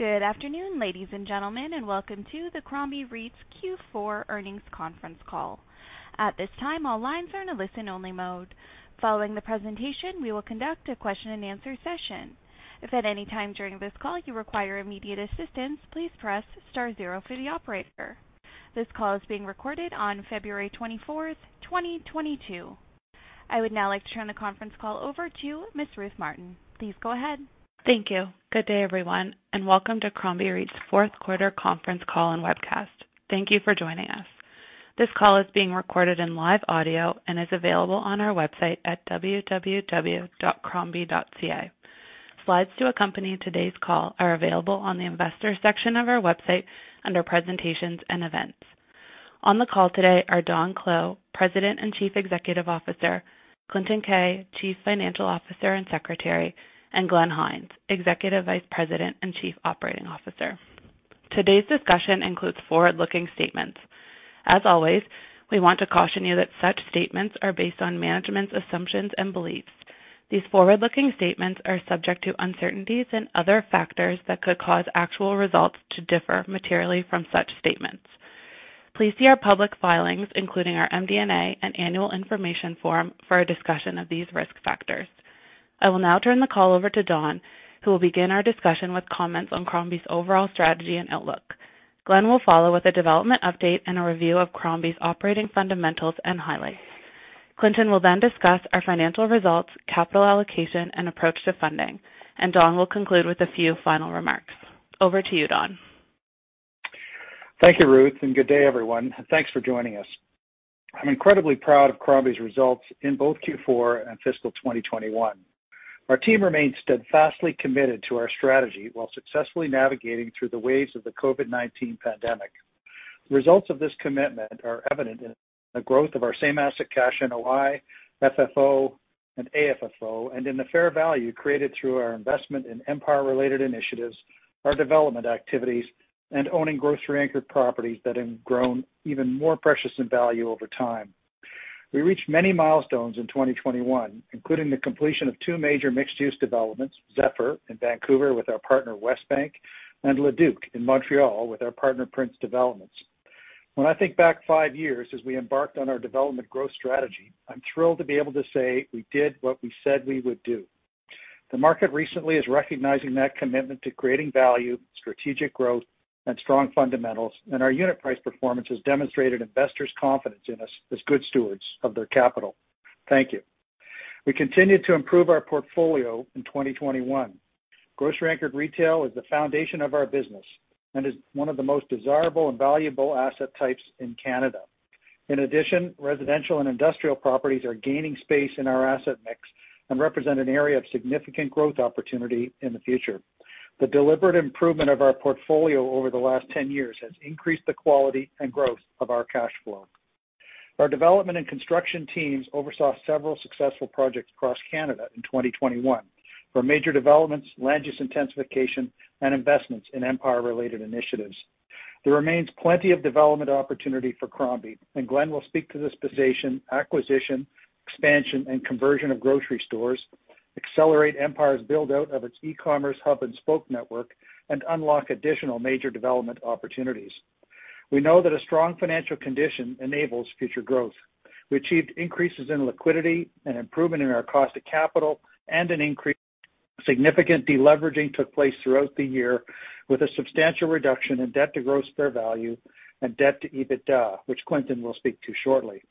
Good afternoon, ladies and gentlemen, and welcome to the Crombie REIT's Q4 earnings conference call. At this time, all lines are in a listen-only mode. Following the presentation, we will conduct a question-and-answer session. If at any time during this call you require immediate assistance, please press star zero for the operator. This call is being recorded on February 24th, 2022. I would now like to turn the conference call over to Ms. Ruth Martin. Please go ahead. Thank you. Good day, everyone, and welcome to Crombie REIT's fourth quarter conference call and webcast. Thank you for joining us. This call is being recorded in live audio and is available on our website at www.crombie.ca. Slides to accompany today's call are available on the Investors section of our website under Presentations and Events. On the call today are Don Clow, President and Chief Executive Officer, Clinton Keay, Chief Financial Officer and Secretary, and Glenn Hynes, Executive Vice President and Chief Operating Officer. Today's discussion includes forward-looking statements. As always, we want to caution you that such statements are based on management's assumptions and beliefs. These forward-looking statements are subject to uncertainties and other factors that could cause actual results to differ materially from such statements. Please see our public filings, including our MD&A and Annual Information Form, for a discussion of these risk factors. I will now turn the call over to Don, who will begin our discussion with comments on Crombie's overall strategy and outlook. Glenn will follow with a development update and a review of Crombie's operating fundamentals and highlights. Clinton will then discuss our financial results, capital allocation, and approach to funding, and Don will conclude with a few final remarks. Over to you, Don. Thank you, Ruth, and good day, everyone, and thanks for joining us. I'm incredibly proud of Crombie's results in both Q4 and fiscal 2021. Our team remains steadfastly committed to our strategy while successfully navigating through the waves of the COVID-19 pandemic. Results of this commitment are evident in the growth of our same asset cash NOI, FFO, and AFFO, and in the fair value created through our investment in Empire-related initiatives, our development activities, and owning grocery-anchored properties that have grown even more precious in value over time. We reached many milestones in 2021, including the completion of two major mixed-use developments, Zephyr in Vancouver with our partner Westbank, and Le Duke in Montreal with our partner Prince Developments. When I think back 5 years as we embarked on our development growth strategy, I'm thrilled to be able to say we did what we said we would do. The market recently is recognizing that commitment to creating value, strategic growth, and strong fundamentals, and our unit price performance has demonstrated investors' confidence in us as good stewards of their capital. Thank you. We continued to improve our portfolio in 2021. Grocery-anchored retail is the foundation of our business and is one of the most desirable and valuable asset types in Canada. In addition, residential and industrial properties are gaining space in our asset mix and represent an area of significant growth opportunity in the future. The deliberate improvement of our portfolio over the last 10 years has increased the quality and growth of our cash flow. Our development and construction teams oversaw several successful projects across Canada in 2021 for major developments, land use intensification, and investments in Empire-related initiatives. There remains plenty of development opportunity for Crombie, and Glenn will speak to this position. Acquisition, expansion, and conversion of grocery stores accelerate Empire's build-out of its e-commerce hub and spoke network and unlock additional major development opportunities. We know that a strong financial condition enables future growth. We achieved increases in liquidity, an improvement in our cost of capital, and an increase. Significant deleveraging took place throughout the year, with a substantial reduction in debt to gross fair value and debt to EBITDA, which Clinton will speak to shortly.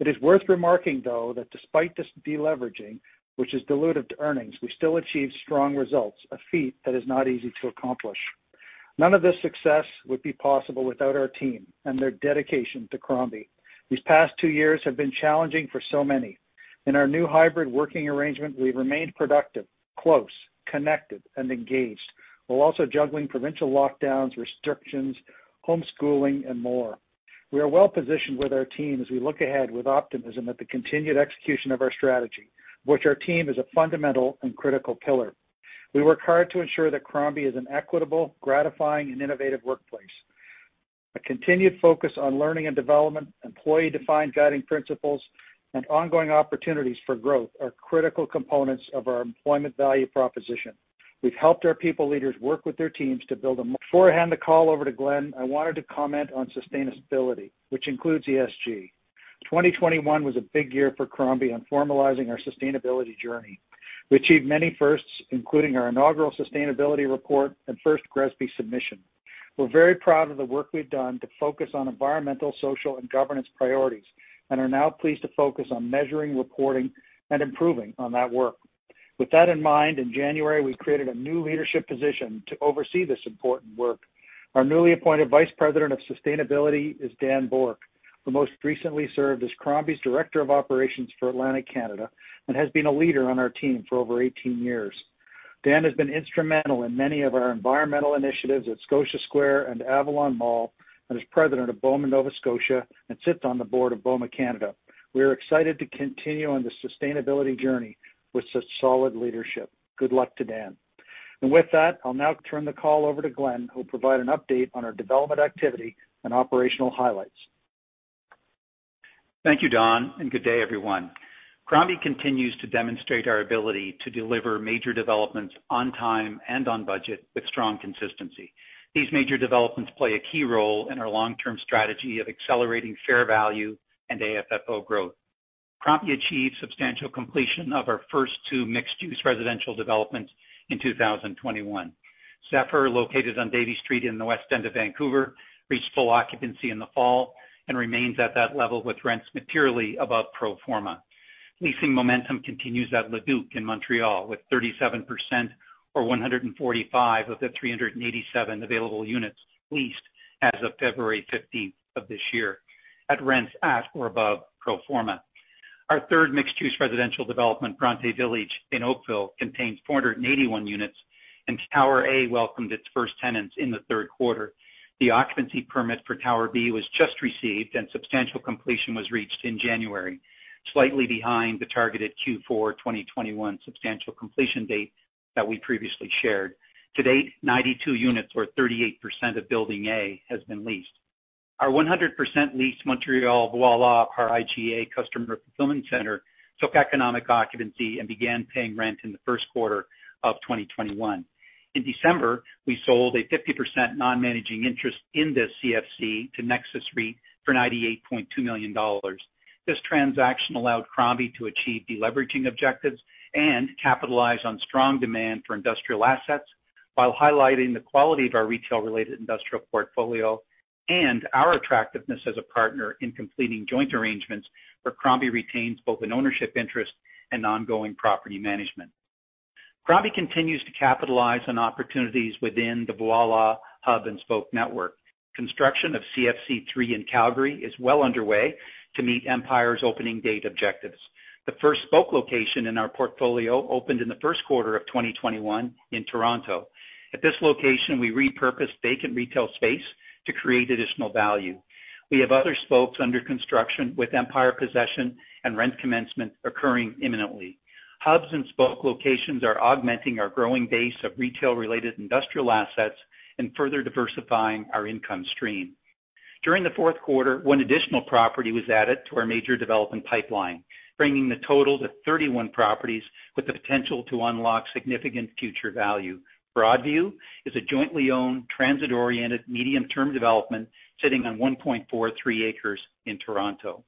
It is worth remarking, though, that despite this deleveraging, which is dilutive to earnings, we still achieved strong results, a feat that is not easy to accomplish. None of this success would be possible without our team and their dedication to Crombie. These past two years have been challenging for so many. In our new hybrid working arrangement, we've remained productive, close, connected, and engaged, while also juggling provincial lockdowns, restrictions, homeschooling, and more. We are well-positioned with our team as we look ahead with optimism at the continued execution of our strategy, which our team is a fundamental and critical pillar. We work hard to ensure that Crombie is an equitable, gratifying, and innovative workplace. A continued focus on learning and development, employee-defined guiding principles, and ongoing opportunities for growth are critical components of our employment value proposition. We've helped our people leaders work with their teams. Before I hand the call over to Glenn, I wanted to comment on sustainability, which includes ESG. Twenty twenty one was a big year for Crombie on formalizing our sustainability journey. We achieved many firsts, including our inaugural sustainability report and first GRESB submission. We're very proud of the work we've done to focus on environmental, social, and governance priorities and are now pleased to focus on measuring, reporting, and improving on that work. With that in mind, in January, we created a new leadership position to oversee this important work. Our newly appointed Vice President of Sustainability is Dan Bourque, who most recently served as Crombie's Director of Operations for Atlantic Canada and has been a leader on our team for over 18 years. Dan has been instrumental in many of our environmental initiatives at Scotia Square and Avalon Mall and is President of BOMA Nova Scotia and sits on the board of BOMA Canada. We are excited to continue on this sustainability journey with such solid leadership. Good luck to Dan. With that, I'll now turn the call over to Glenn, who'll provide an update on our development activity and operational highlights. Thank you, Don, and good day everyone. Crombie continues to demonstrate our ability to deliver major developments on time and on budget with strong consistency. These major developments play a key role in our long-term strategy of accelerating share value and AFFO growth. Crombie achieved substantial completion of our first two mixed-use residential developments in 2021. Zephyr, located on Davie Street in the West End of Vancouver, reached full occupancy in the fall and remains at that level with rents materially above pro forma. Leasing momentum continues at Le Duke in Montreal, with 37% or 145 of the 387 available units leased as of February 15th of this year at rents at or above pro forma. Our third mixed-use residential development, Bronte Village in Oakville, contains 481 units, and Tower A welcomed its first tenants in the third quarter. The occupancy permit for Tower B was just received and substantial completion was reached in January, slightly behind the targeted Q4 2021 substantial completion date that we previously shared. To date, 92 units or 38% of Building A has been leased. Our 100% leased Montreal Voilà IGA customer fulfillment center took economic occupancy and began paying rent in the first quarter of 2021. In December, we sold a 50% non-managing interest in this CFC to Nexus REIT for 98.2 million dollars. This transaction allowed Crombie to achieve deleveraging objectives and capitalize on strong demand for industrial assets while highlighting the quality of our retail-related industrial portfolio and our attractiveness as a partner in completing joint arrangements where Crombie retains both an ownership interest and ongoing property management. Crombie continues to capitalize on opportunities within the Voilà hub and spoke network. Construction of CFC 3 in Calgary is well underway to meet Empire's opening date objectives. The first spoke location in our portfolio opened in the first quarter of 2021 in Toronto. At this location, we repurposed vacant retail space to create additional value. We have other spokes under construction, with Empire possession and rent commencement occurring imminently. Hubs and spoke locations are augmenting our growing base of retail-related industrial assets and further diversifying our income stream. During the fourth quarter, one additional property was added to our major development pipeline, bringing the total to 31 properties with the potential to unlock significant future value. Broadview is a jointly owned transit-oriented medium-term development sitting on 1.43 acres in Toronto.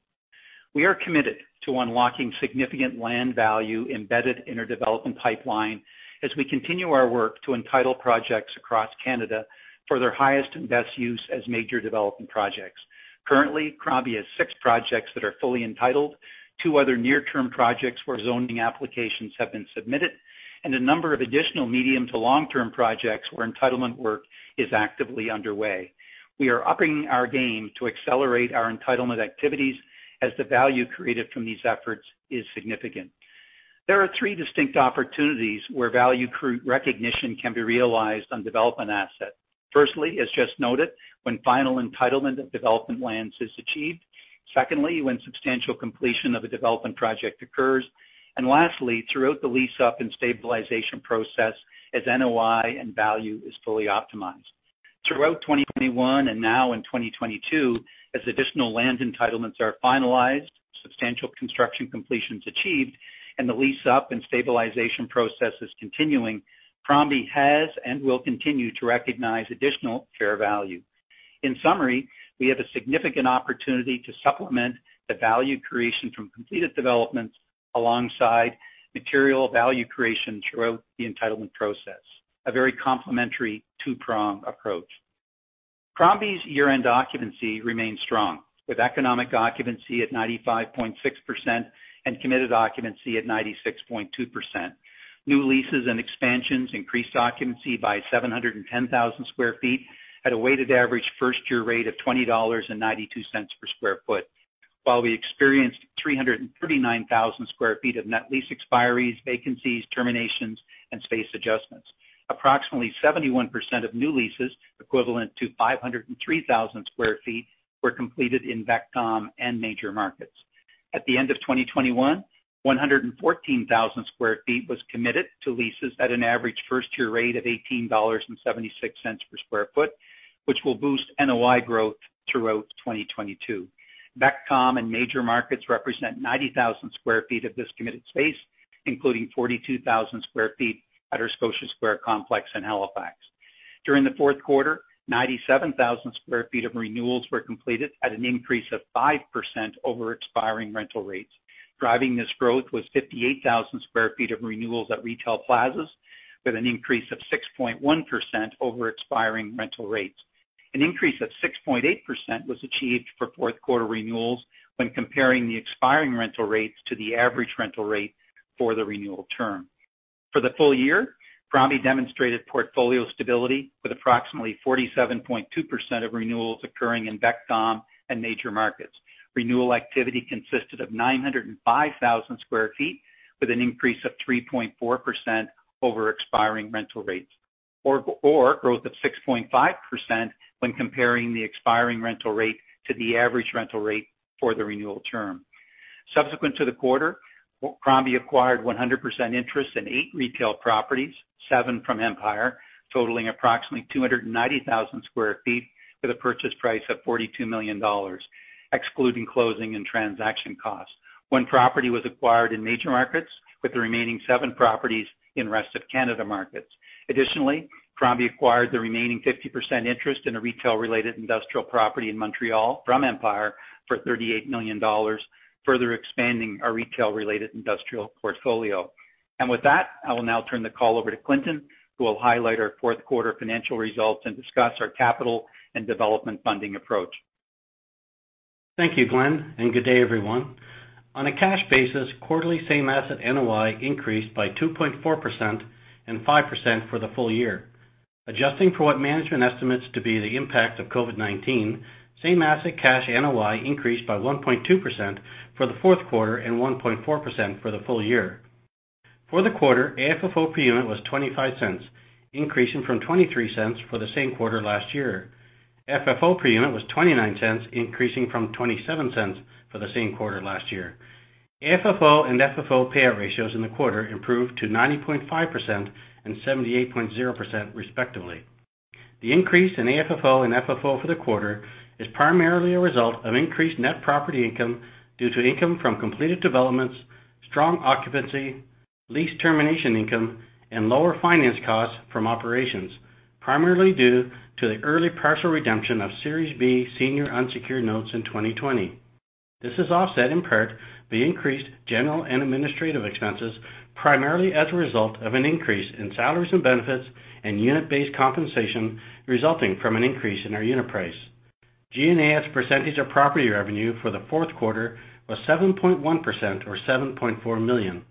We are committed to unlocking significant land value embedded in our development pipeline as we continue our work to entitle projects across Canada for their highest and best use as major development projects. Currently, Crombie has six projects that are fully entitled, two other near-term projects where zoning applications have been submitted, and a number of additional medium to long-term projects where entitlement work is actively underway. We are upping our game to accelerate our entitlement activities as the value created from these efforts is significant. There are three distinct opportunities where value recognition can be realized on development assets. Firstly, as just noted, when final entitlement of development lands is achieved. Secondly, when substantial completion of a development project occurs. Lastly, throughout the lease-up and stabilization process as NOI and value is fully optimized. Throughout 2021 and now in 2022, as additional land entitlements are finalized, substantial construction completions achieved, and the lease-up and stabilization process is continuing, Crombie has and will continue to recognize additional fair value. In summary, we have a significant opportunity to supplement the value creation from completed developments alongside material value creation throughout the entitlement process, a very complementary two-prong approach. Crombie's year-end occupancy remains strong, with economic occupancy at 95.6% and committed occupancy at 96.2%. New leases and expansions increased occupancy by 710,000 sq ft at a weighted average first-year rate of 20.92 dollars per sq ft. While we experienced 339,000 sq ft of net lease expiries, vacancies, terminations, and space adjustments. Approximately 71% of new leases, equivalent to 503,000 sq ft, were completed in VECTOM and major markets. At the end of 2021, 114,000 sq ft was committed to leases at an average first-year rate of 18.76 dollars per sq ft, which will boost NOI growth throughout 2022. VECTOM and major markets represent 90,000 sq ft of this committed space, including 42,000 sq ft at our Scotia Square complex in Halifax. During the fourth quarter, 97,000 sq ft of renewals were completed at an increase of 5% over expiring rental rates. Driving this growth was 58,000 sq ft of renewals at retail plazas, with an increase of 6.1% over expiring rental rates. An increase of 6.8% was achieved for fourth quarter renewals when comparing the expiring rental rates to the average rental rate for the renewal term. For the full year, Crombie demonstrated portfolio stability with approximately 47.2% of renewals occurring in VECTOM and major markets. Renewal activity consisted of 905,000 sq ft, with an increase of 3.4% over expiring rental rates, or growth of 6.5% when comparing the expiring rental rate to the average rental rate for the renewal term. Subsequent to the quarter, Crombie acquired 100% interest in eight retail properties, seven from Empire, totaling approximately 290,000 sq ft, with a purchase price of 42 million dollars, excluding closing and transaction costs. One property was acquired in major markets, with the remaining seven properties in rest of Canada markets. Additionally, Crombie acquired the remaining 50% interest in a retail-related industrial property in Montreal from Empire for 38 million dollars, further expanding our retail-related industrial portfolio. With that, I will now turn the call over to Clinton, who will highlight our fourth quarter financial results and discuss our capital and development funding approach. Thank you, Glenn, and good day everyone. On a cash basis, quarterly same asset NOI increased by 2.4% and 5% for the full year. Adjusting for what management estimates to be the impact of COVID-19, same asset cash NOI increased by 1.2% for the fourth quarter and 1.4% for the full year. For the quarter, AFFO per unit was 0.25, increasing from 0.23 for the same quarter last year. FFO per unit was 0.29, increasing from 0.27 for the same quarter last year. AFFO and FFO payout ratios in the quarter improved to 90.5% and 78.0%, respectively. The increase in AFFO and FFO for the quarter is primarily a result of increased net property income due to income from completed developments, strong occupancy, lease termination income, and lower finance costs from operations, primarily due to the early partial redemption of Series B Senior Unsecured Notes in 2020. This is offset in part by increased general and administrative expenses, primarily as a result of an increase in salaries and benefits and unit-based compensation resulting from an increase in our unit price. G&A as a percentage of property revenue for the fourth quarter was 7.1% or 7.4 million.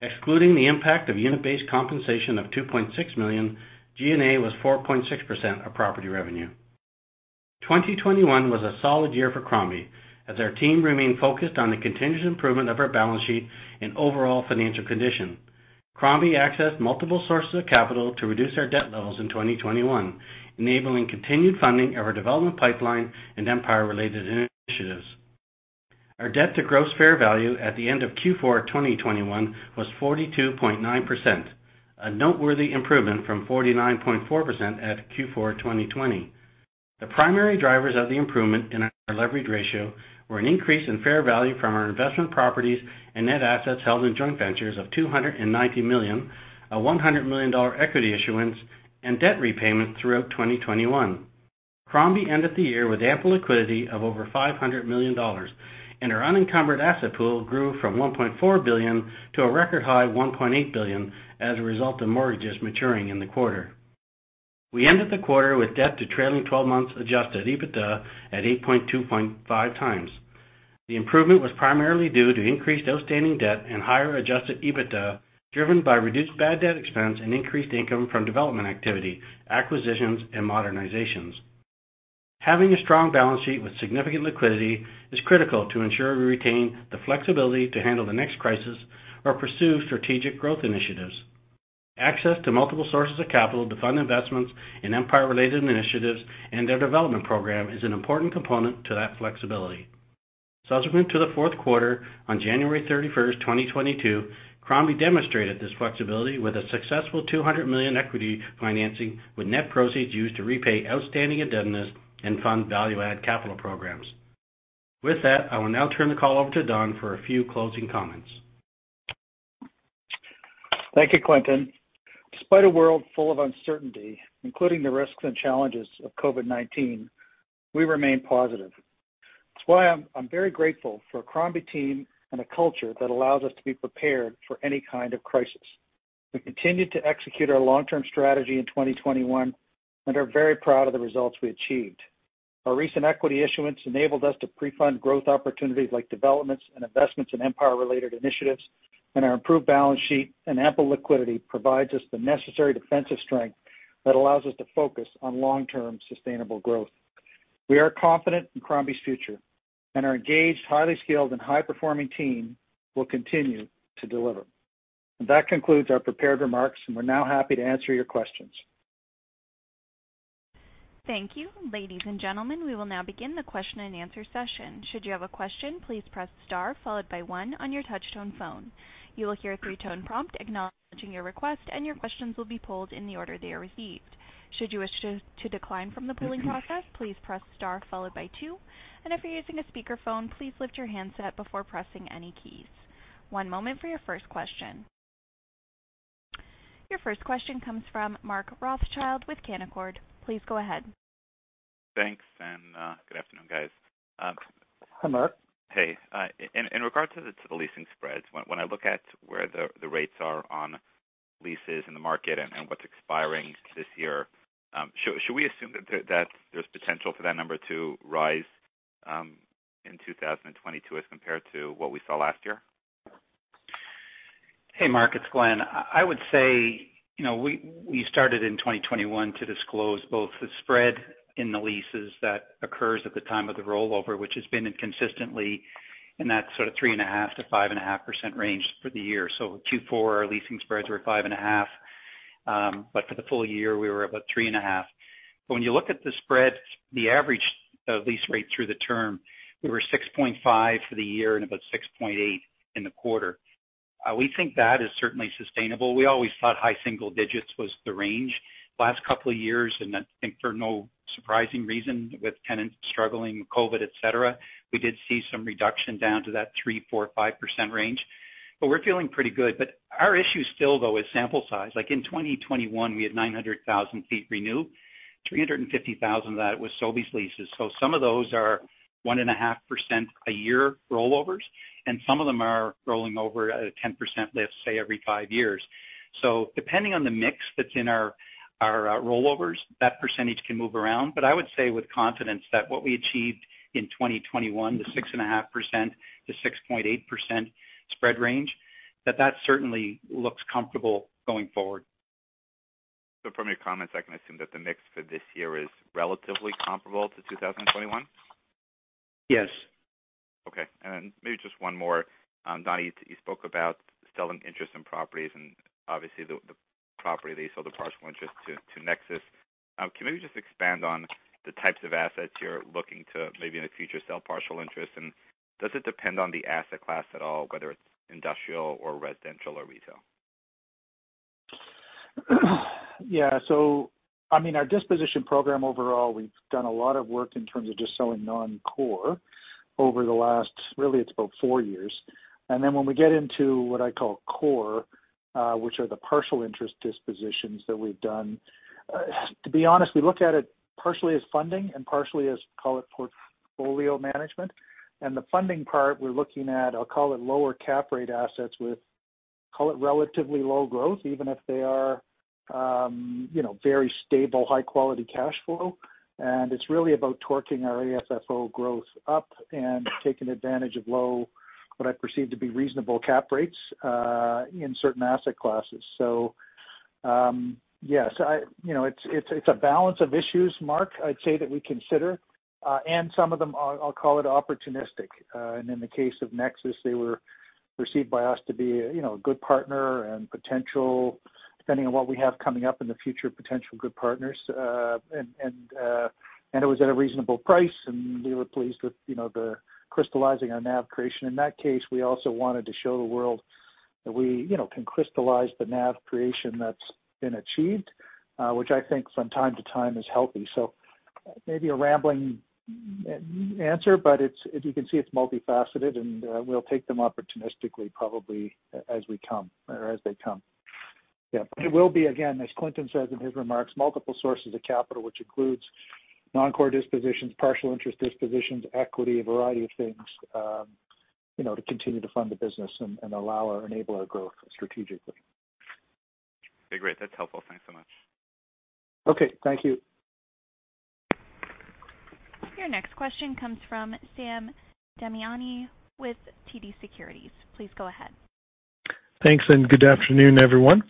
Excluding the impact of unit-based compensation of 2.6 million, G&A was 4.6% of property revenue. 2021 was a solid year for Crombie as our team remained focused on the continuous improvement of our balance sheet and overall financial condition. Crombie accessed multiple sources of capital to reduce our debt levels in 2021, enabling continued funding of our development pipeline and Empire-related initiatives. Our debt to gross fair value at the end of Q4 2021 was 42.9%, a noteworthy improvement from 49.4% at Q4 2020. The primary drivers of the improvement in our leverage ratio were an increase in fair value from our investment properties and net assets held in joint ventures of 290 million, a 100 million dollar equity issuance, and debt repayment throughout 2021. Crombie ended the year with ample liquidity of over 500 million dollars, and our unencumbered asset pool grew from 1.4 billion to a record high 1.8 billion as a result of mortgages maturing in the quarter. We ended the quarter with debt to trailing twelve months adjusted EBITDA at 8.25x. The improvement was primarily due to increased outstanding debt and higher adjusted EBITDA, driven by reduced bad debt expense and increased income from development activity, acquisitions, and modernizations. Having a strong balance sheet with significant liquidity is critical to ensure we retain the flexibility to handle the next crisis or pursue strategic growth initiatives. Access to multiple sources of capital to fund investments in Empire-related initiatives and their development program is an important component to that flexibility. Subsequent to the fourth quarter, on January 31st, 2022, Crombie demonstrated this flexibility with a successful 200 million equity financing, with net proceeds used to repay outstanding indebtedness and fund value-add capital programs. With that, I will now turn the call over to Don for a few closing comments. Thank you, Clinton. Despite a world full of uncertainty, including the risks and challenges of COVID-19, we remain positive. That's why I'm very grateful for a Crombie team and a culture that allows us to be prepared for any kind of crisis. We continued to execute our long-term strategy in 2021 and are very proud of the results we achieved. Our recent equity issuance enabled us to pre-fund growth opportunities like developments and investments in Empire-related initiatives, and our improved balance sheet and ample liquidity provides us the necessary defensive strength that allows us to focus on long-term sustainable growth. We are confident in Crombie's future, and our engaged, highly skilled, and high-performing team will continue to deliver. That concludes our prepared remarks, and we're now happy to answer your questions. Thank you. Ladies and gentlemen, we will now begin the question-and-answer session. Should you have a question, please press star followed by one on your touchtone phone. You will hear a three-tone prompt acknowledging your request, and your questions will be pulled in the order they are received. Should you wish to decline from the polling process, please press star followed by two. If you're using a speakerphone, please lift your handset before pressing any keys. One moment for your first question. Your first question comes from Mark Rothschild with Canaccord. Please go ahead. Thanks, and, good afternoon, guys. Hi, Mark. Hey, in regards to the leasing spreads, when I look at where the rates are on leases in the market and what's expiring this year, should we assume that there's potential for that number to rise in 2022 as compared to what we saw last year? Hey, Mark, it's Glenn. I would say, you know, we started in 2021 to disclose both the spread in the leases that occurs at the time of the rollover, which has been consistently in that sort of 3.5%-5.5% range for the year. Q4, our leasing spreads were at 5.5%. For the full year, we were about 3.5%. When you look at the spread, the average lease rate through the term, we were 6.5% for the year and about 6.8% in the quarter. We think that is certainly sustainable. We always thought high single digits was the range. Last couple of years, and I think for no surprising reason with tenants struggling, COVID, et cetera, we did see some reduction down to that 3.5% range. We're feeling pretty good. Our issue still though is sample size. Like in 2021 we had 900,000 ft renew, 350,000 ft that was Sobeys leases. Some of those are 1.5% a year rollovers, and some of them are rolling over at a 10% lift, say every 5 years. Depending on the mix that's in our rollovers, that percentage can move around. I would say with confidence that what we achieved in 2021, the 6.5%-6.8% spread range, that certainly looks comfortable going forward. From your comments, I can assume that the mix for this year is relatively comparable to 2021? Yes. Okay. Then maybe just one more. Donny, you spoke about selling interest in properties and obviously the property that you sold the partial interest to Nexus. Can you maybe just expand on the types of assets you're looking to maybe in the future sell partial interest? Does it depend on the asset class at all, whether it's industrial or residential or retail? Yeah. I mean, our disposition program overall, we've done a lot of work in terms of just selling non-core over the last, really it's about four years. Then when we get into what I call core, which are the partial interest dispositions that we've done, to be honest, we look at it partially as funding and partially as call it portfolio management. The funding part we're looking at, I'll call it lower cap rate assets with call it relatively low growth, even if they are, you know, very stable, high quality cash flow. It's really about torquing our AFFO growth up and taking advantage of low, what I perceive to be reasonable cap rates, in certain asset classes. Yes, I... You know, it's a balance of issues, Mark. I'd say that we consider, and some of them are. I'll call it opportunistic. In the case of Nexus, they were perceived by us to be, you know, a good partner and potential, depending on what we have coming up in the future, potential good partners. It was at a reasonable price, and we were pleased with, you know, the crystallizing our NAV creation. In that case, we also wanted to show the world that we, you know, can crystallize the NAV creation that's been achieved, which I think from time to time is healthy. Maybe a rambling answer, but it's, as you can see, it's multifaceted, and we'll take them opportunistically probably as we come or as they come. Yeah. It will be, again, as Clinton says in his remarks, multiple sources of capital, which includes non-core dispositions, partial interest dispositions, equity, a variety of things, you know, to continue to fund the business and allow or enable our growth strategically. Okay, great. That's helpful. Thanks so much. Okay. Thank you. Your next question comes from Sam Damiani with TD Securities. Please go ahead. Thanks, and good afternoon, everyone.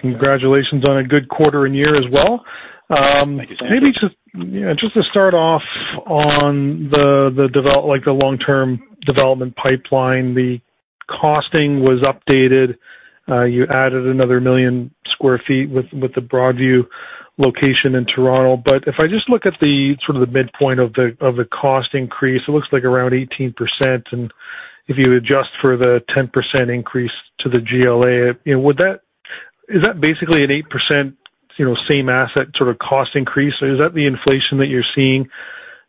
Congratulations on a good quarter and year as well. Thank you, Sam. Maybe just you know just to start off on the long-term development pipeline, the costing was updated. You added another 1 million sq ft with the Broadview location in Toronto. If I just look at the sort of the midpoint of the cost increase, it looks like around 18%. If you adjust for the 10% increase to the GLA, you know, is that basically an 8% you know same asset sort of cost increase, or is that the inflation that you are seeing?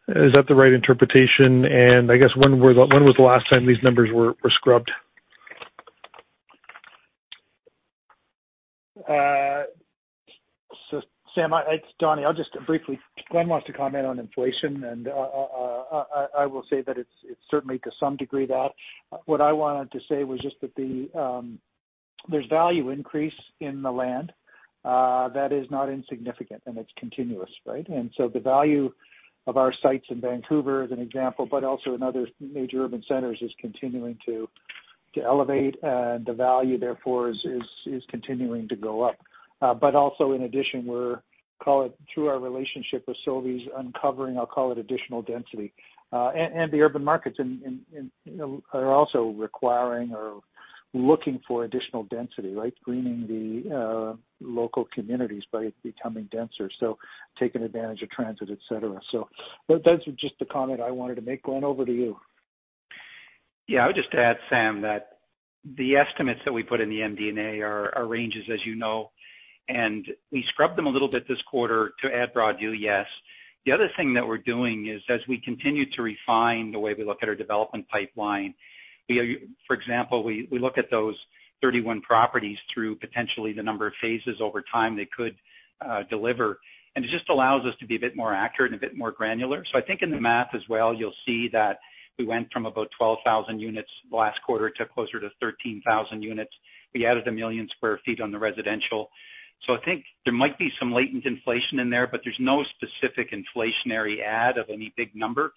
Is that the right interpretation? I guess, when was the last time these numbers were scrubbed? Sam, it's Donny. I'll just briefly Glenn wants to comment on inflation, and I will say that it's certainly to some degree that. What I wanted to say was just that there's value increase in the land that is not insignificant and it's continuous, right? The value of our sites in Vancouver, as an example, but also in other major urban centers, is continuing to elevate. The value therefore is continuing to go up. But also in addition, we're call it through our relationship with Sobeys uncovering. I'll call it additional density. The urban markets in you know are also requiring or looking for additional density, right? Greening the local communities by becoming denser, so taking advantage of transit, et cetera. That's just a comment I wanted to make. Glenn, over to you. Yeah. I would just add, Sam, that the estimates that we put in the MD&A are ranges, as you know, and we scrubbed them a little bit this quarter to add Broadview. Yes. The other thing that we're doing is as we continue to refine the way we look at our development pipeline. For example, we look at those 31 properties through potentially the number of phases over time they could deliver. It just allows us to be a bit more accurate and a bit more granular. I think in the math as well, you'll see that we went from about 12,000 units last quarter to closer to 13,000 units. We added 1 million sq ft on the residential. I think there might be some latent inflation in there, but there's no specific inflationary add of any big number.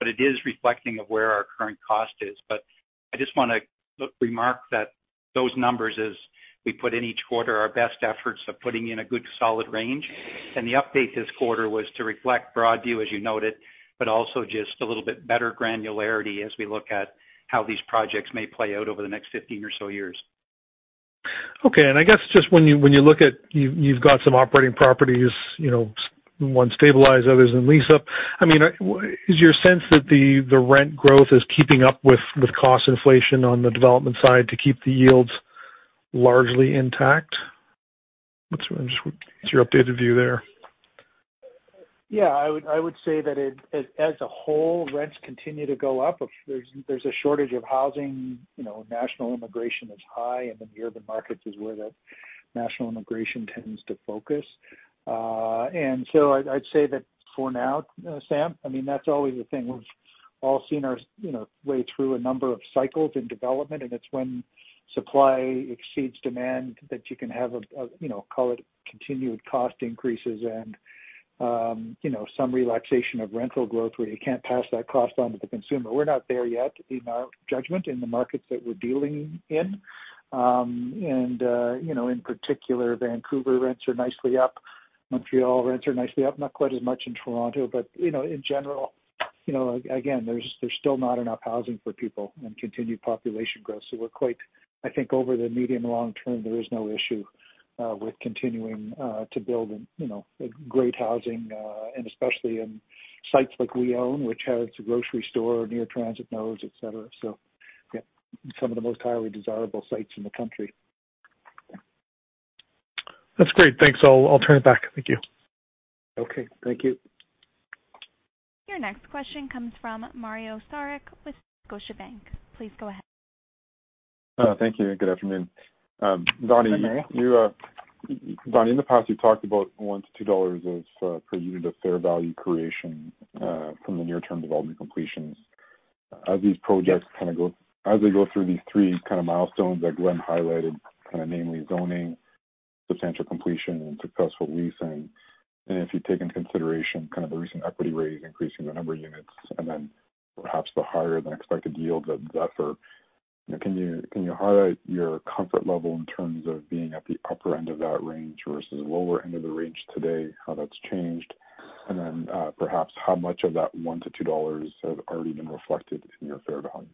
It is reflecting of where our current cost is. I just wanna re-remark that those numbers, as we put in each quarter, are best efforts of putting in a good solid range. The update this quarter was to reflect Broadview, as you noted, but also just a little bit better granularity as we look at how these projects may play out over the next 15 or so years. Okay. I guess just when you look at your, you've got some operating properties, you know, one stabilized, others in lease-up. I mean, is your sense that the rent growth is keeping up with cost inflation on the development side to keep the yields largely intact? What's just your updated view there? Yeah, I would say that it, as a whole, rents continue to go up. There's a shortage of housing. You know, national immigration is high, and then the urban markets is where the national immigration tends to focus. I'd say that for now, Sam, I mean, that's always a thing. We've all seen our way through a number of cycles in development, and it's when supply exceeds demand that you can have a you know, call it continued cost increases and you know, some relaxation of rental growth where you can't pass that cost on to the consumer. We're not there yet in our judgment in the markets that we're dealing in. You know, in particular, Vancouver rents are nicely up. Montreal rents are nicely up, not quite as much in Toronto. But you know, in general, you know, again, there's still not enough housing for people and continued population growth. We're quite, I think over the medium long term, there is no issue with continuing to build in, you know, great housing and especially in sites like we own, which has a grocery store, near transit nodes, et cetera. Yeah, some of the most highly desirable sites in the country. That's great. Thanks. I'll turn it back. Thank you. Okay, thank you. Your next question comes from Mario Saric with Scotiabank. Please go ahead. Thank you. Good afternoon. Donny. Hi, Mario. You, Don, in the past, you've talked about $1-$2 of per unit of fair value creation from the near-term development completions. As these projects- Yeah. As they go through these three kinda milestones that Glenn highlighted, kinda namely zoning, substantial completion and successful leasing. If you take into consideration kind of the recent equity raise, increasing the number of units and then perhaps the higher than expected yield of Zephyr. Can you highlight your comfort level in terms of being at the upper end of that range versus lower end of the range today, how that's changed? Then, perhaps how much of that 1-2 dollars have already been reflected in your fair values?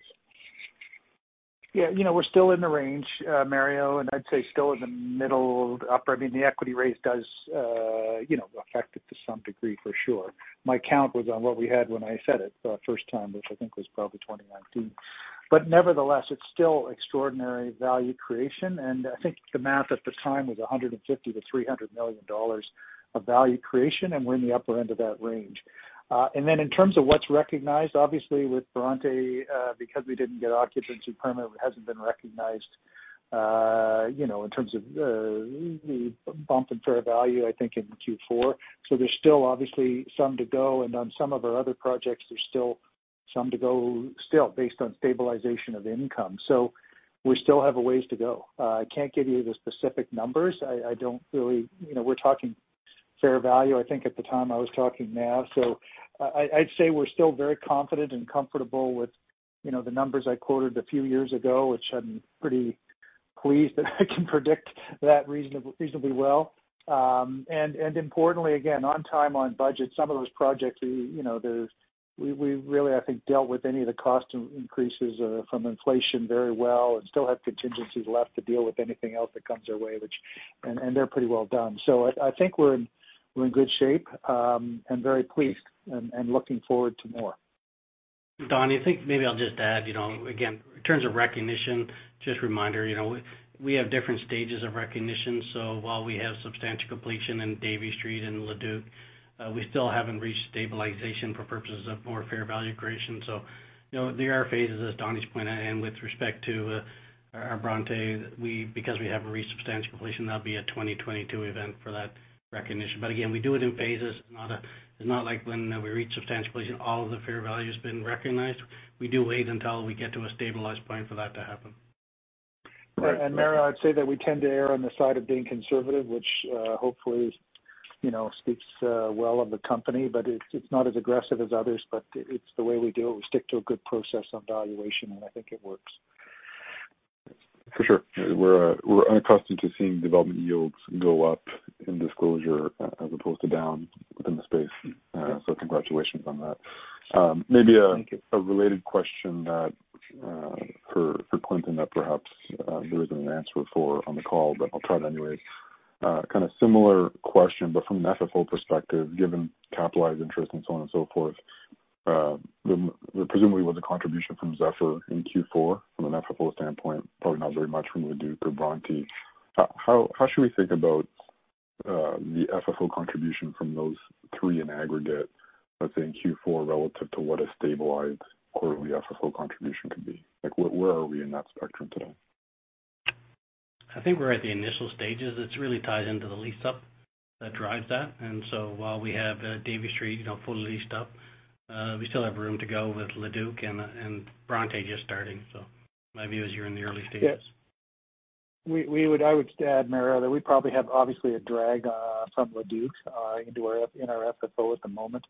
Yeah. You know, we're still in the range, Mario, and I'd say still in the middle upper. I mean, the equity raise does, you know, affect it to some degree for sure. My count was on what we had when I said it the first time, which I think was probably 2019. Nevertheless, it's still extraordinary value creation, and I think the math at the time was 150 million-300 million dollars of value creation, and we're in the upper end of that range. And then in terms of what's recognized, obviously with Bronte, because we didn't get occupancy permit, it hasn't been recognized, you know, in terms of the bump in fair value, I think in Q4. There's still obviously some to go. On some of our other projects, there's still some to go still based on stabilization of income. We still have a ways to go. I can't give you the specific numbers. I don't really. You know, we're talking fair value, I think at the time I was talking NAV. I'd say we're still very confident and comfortable with, you know, the numbers I quoted a few years ago, which I'm pretty pleased that I can predict that reasonably well. Importantly, again, on time, on budget, some of those projects, we, you know, we really, I think, dealt with any of the cost increases from inflation very well and still have contingencies left to deal with anything else that comes our way. They're pretty well done. I think we're in good shape, and very pleased, and looking forward to more. Don, I think maybe I'll just add, you know, again, in terms of recognition, just a reminder, you know, we have different stages of recognition. While we have substantial completion in Davie Street and Leduc, we still haven't reached stabilization for purposes of more fair value creation. You know, there are phases, as Donny's pointed, and with respect to our Bronte, because we haven't reached substantial completion, that'll be a 2022 event for that recognition. Again, we do it in phases. It's not like when we reach substantial completion, all of the fair value has been recognized. We do wait until we get to a stabilized point for that to happen. Mario, I'd say that we tend to err on the side of being conservative, which, hopefully, you know, speaks well of the company, but it's not as aggressive as others, but it's the way we do it. We stick to a good process on valuation, and I think it works. For sure. We're unaccustomed to seeing development yields go up in disclosure as opposed to down within the space. Congratulations on that. Maybe a- Thank you. A related question that for Clinton that perhaps there isn't an answer for on the call, but I'll try it anyway. Kind of similar question, but from an FFO perspective, given capitalized interest and so on and so forth. There presumably was a contribution from Zephyr in Q4 from an FFO standpoint, probably not very much from Leduc or Bronte. How should we think about the FFO contribution from those three in aggregate, let's say in Q4 relative to what a stabilized quarterly FFO contribution could be? Like, where are we in that spectrum today? I think we're at the initial stages. It's really tied into the lease-up that drives that. While we have Davie Street, you know, fully leased up, we still have room to go with Leduc and Bronte just starting. My view is you're in the early stages. I would add, Mario, that we probably have obviously a drag from Leduc into our FFO at the moment,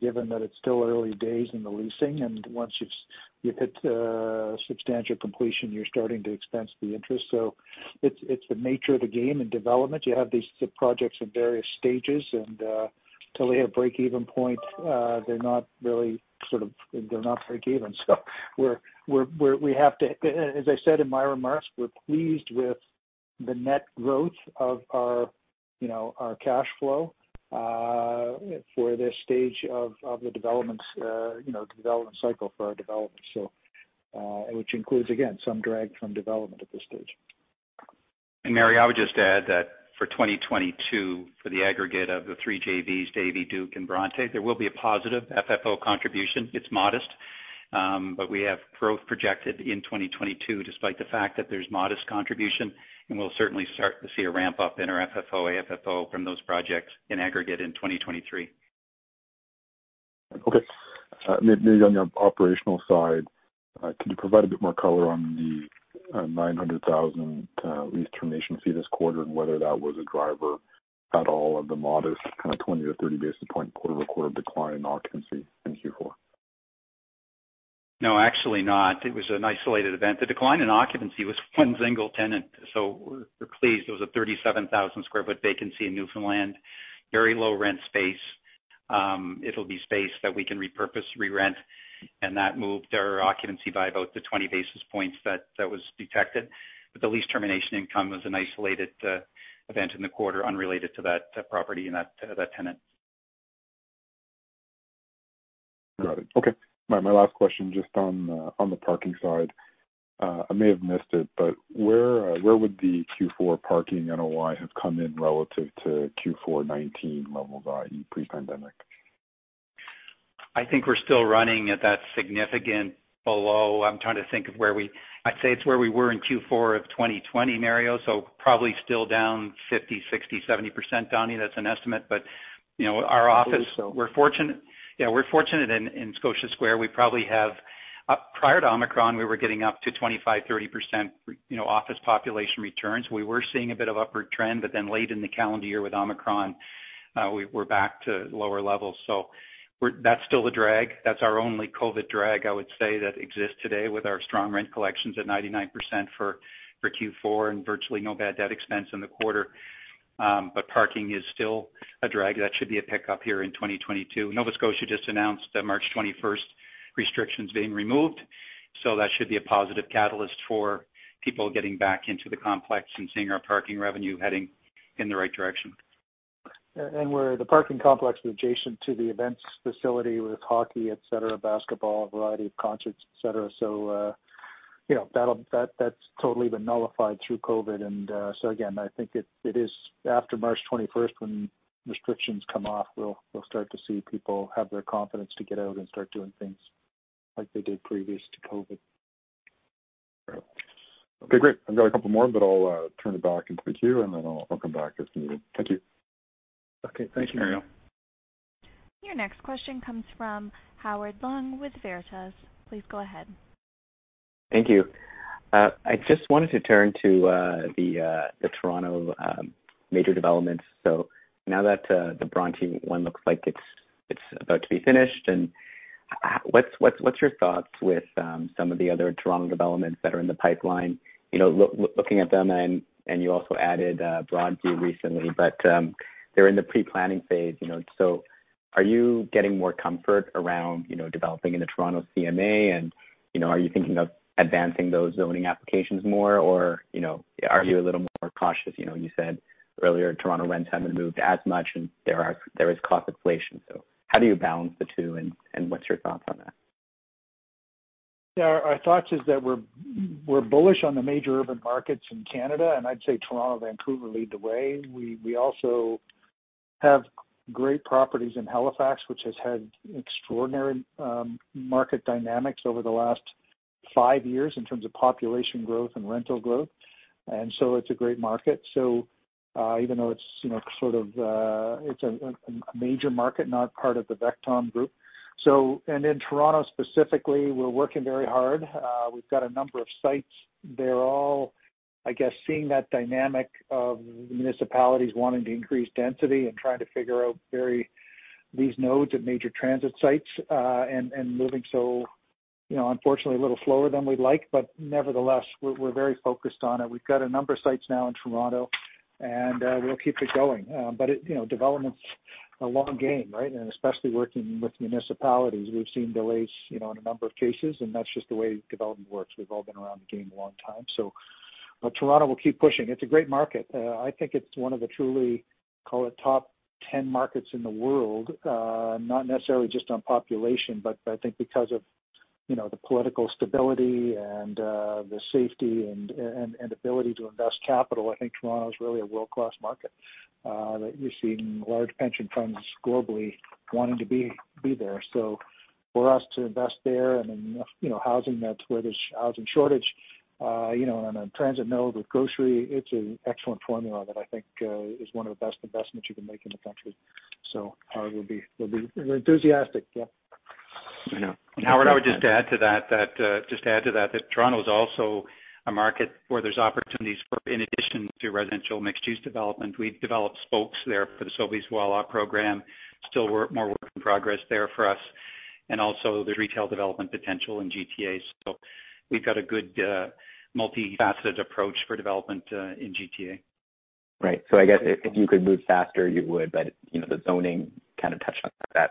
given that it's still early days in the leasing, and once you've hit substantial completion, you're starting to expense the interest. It's the nature of the game in development. You have these projects in various stages, and till they hit breakeven point, they're not breakeven. As I said in my remarks, we're pleased with the net growth of our, you know, our cash flow for this stage of the developments, you know, development cycle for our development, which includes, again, some drag from development at this stage. Mario, I would just add that for 2022, for the aggregate of the three JVs, Davie, Le Duke and Bronte, there will be a positive FFO contribution. It's modest, but we have growth projected in 2022, despite the fact that there's modest contribution. We'll certainly start to see a ramp up in our FFO, AFFO from those projects in aggregate in 2023. Okay. Maybe on your operational side, can you provide a bit more color on the 900,000 lease termination fee this quarter and whether that was a driver at all of the modest kind of 20-30 basis point quarter-over-quarter decline in occupancy in Q4? No, actually not. It was an isolated event. The decline in occupancy was one single tenant, so we're pleased. It was a 37,000 sq ft vacancy in Newfoundland, very low rent space. It'll be space that we can repurpose, re-rent, and that moved our occupancy by about the 20 basis points that was detected. But the lease termination income was an isolated event in the quarter unrelated to that property and that tenant. Got it. Okay. My last question just on the parking side. I may have missed it, but where would the Q4 parking NOI have come in relative to Q4 2019 level guide in pre-pandemic? I think we're still running at that significant below. I'm trying to think of I'd say it's where we were in Q4 of 2020, Mario. Probably still down 50%, 60%, 70%, Donny. That's an estimate. But, you know, our office- I believe so. We're fortunate. Yeah, we're fortunate in Scotia Square. We probably have prior to Omicron, we were getting up to 25%-30% you know, office population returns. We were seeing a bit of upward trend, but then late in the calendar year with Omicron, we're back to lower levels. That's still the drag. That's our only COVID drag, I would say, that exists today with our strong rent collections at 99% for Q4 and virtually no bad debt expense in the quarter. Parking is still a drag. That should be a pickup here in 2022. Nova Scotia just announced that March 21st restrictions being removed, so that should be a positive catalyst for people getting back into the complex and seeing our parking revenue heading in the right direction. We're the parking complex adjacent to the events facility with hockey, etc., basketball, a variety of concerts, etc. You know, that's totally been nullified through COVID. Again, I think it is after March 21st when restrictions come off, we'll start to see people have their confidence to get out and start doing things like they did previous to COVID. Okay, great. I've got a couple more, but I'll turn it back into the queue, and then I'll come back if needed. Thank you. Okay. Thank you. Thanks, Mario. Your next question comes from Howard Leung with Veritas. Please go ahead. Thank you. I just wanted to turn to the Toronto major developments. Now that the Bronte one looks like it's about to be finished and what's your thoughts with some of the other Toronto developments that are in the pipeline? You know, looking at them and you also added Broadview recently, but they're in the pre-planning phase, you know. Are you getting more comfort around, you know, developing in the Toronto CMA and, you know, are you thinking of advancing those zoning applications more or, you know, are you a little more cautious? You know, you said earlier Toronto rents haven't moved as much and there is cost inflation. How do you balance the two and what's your thoughts on that? Yeah. Our thought is that we're bullish on the major urban markets in Canada, and I'd say Toronto, Vancouver lead the way. We also have great properties in Halifax, which has had extraordinary market dynamics over the last five years in terms of population growth and rental growth. It's a great market. Even though it's, you know, sort of, it's a major market, not part of the VECTOM group. In Toronto specifically, we're working very hard. We've got a number of sites. They're all, I guess, seeing that dynamic of municipalities wanting to increase density and trying to figure out these nodes at major transit sites, and moving so, you know, unfortunately a little slower than we'd like, but nevertheless, we're very focused on it. We've got a number of sites now in Toronto and we'll keep it going. It, you know, development's a long game, right? Especially working with municipalities. We've seen delays, you know, in a number of cases, and that's just the way development works. We've all been around the game a long time. Toronto will keep pushing. It's a great market. I think it's one of the truly, call it top 10 markets in the world. Not necessarily just on population, but I think because of, you know, the political stability and the safety and ability to invest capital. I think Toronto is really a world-class market that you're seeing large pension funds globally wanting to be there. So for us to invest there and then, you know, housing, that's where there's housing shortage, you know, on a transit node with grocery, it's an excellent formula that I think is one of the best investments you can make in the country. We'll be enthusiastic. Yeah. I know. Howard, I would just add to that Toronto is also a market where there's opportunities for in addition to residential mixed-use development. We've developed spokes there for the Sobeys Voilà program. Still, more work in progress there for us. Also there's retail development potential in GTA. We've got a good multi-faceted approach for development in GTA. Right. I guess if you could move faster, you would, but, you know, the zoning kind of touched on that.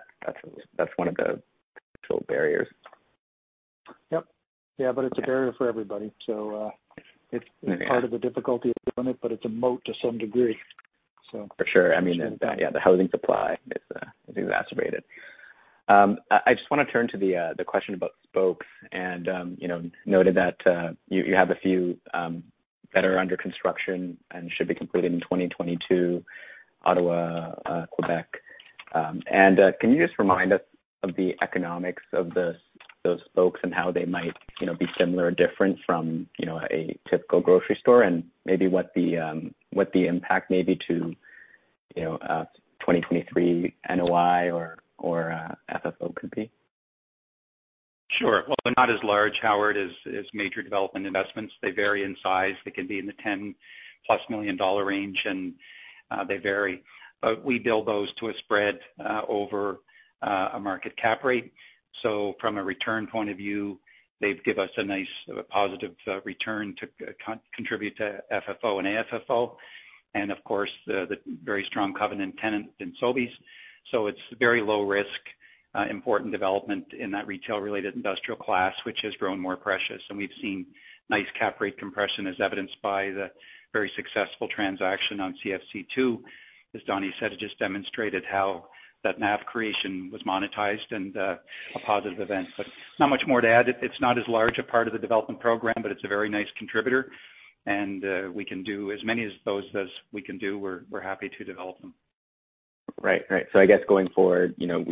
That's one of the potential barriers. Yep. Yeah, but it's a barrier for everybody. It's part of the difficulty of doing it, but it's a moat to some degree, so. For sure. I mean, yeah, the housing supply is exacerbated. I just wanna turn to the question about spokes and, you know, noted that you have a few that are under construction and should be completed in 2022, Ottawa, Quebec. Can you just remind us of the economics of those spokes and how they might, you know, be similar or different from, you know, a typical grocery store and maybe what the impact may be to, you know, 2023 NOI or FFO could be? Sure. Well, they're not as large, Howard, as major development investments. They vary in size. They can be in the 10+ million dollar range, and they vary. We build those to a spread over a market cap rate. From a return point of view, they give us a nice positive return to contribute to FFO and AFFO. Of course, the very strong covenant tenant in Sobeys. It's very low risk important development in that retail-related industrial class, which has grown more precious. We've seen nice cap rate compression as evidenced by the very successful transaction on CFC 2. As Donny said, it just demonstrated how that NAV creation was monetized and a positive event. Not much more to add. It's not as large a part of the development program, but it's a very nice contributor. We can do as many of those as we can do. We're happy to develop them. Right. I guess going forward, you know,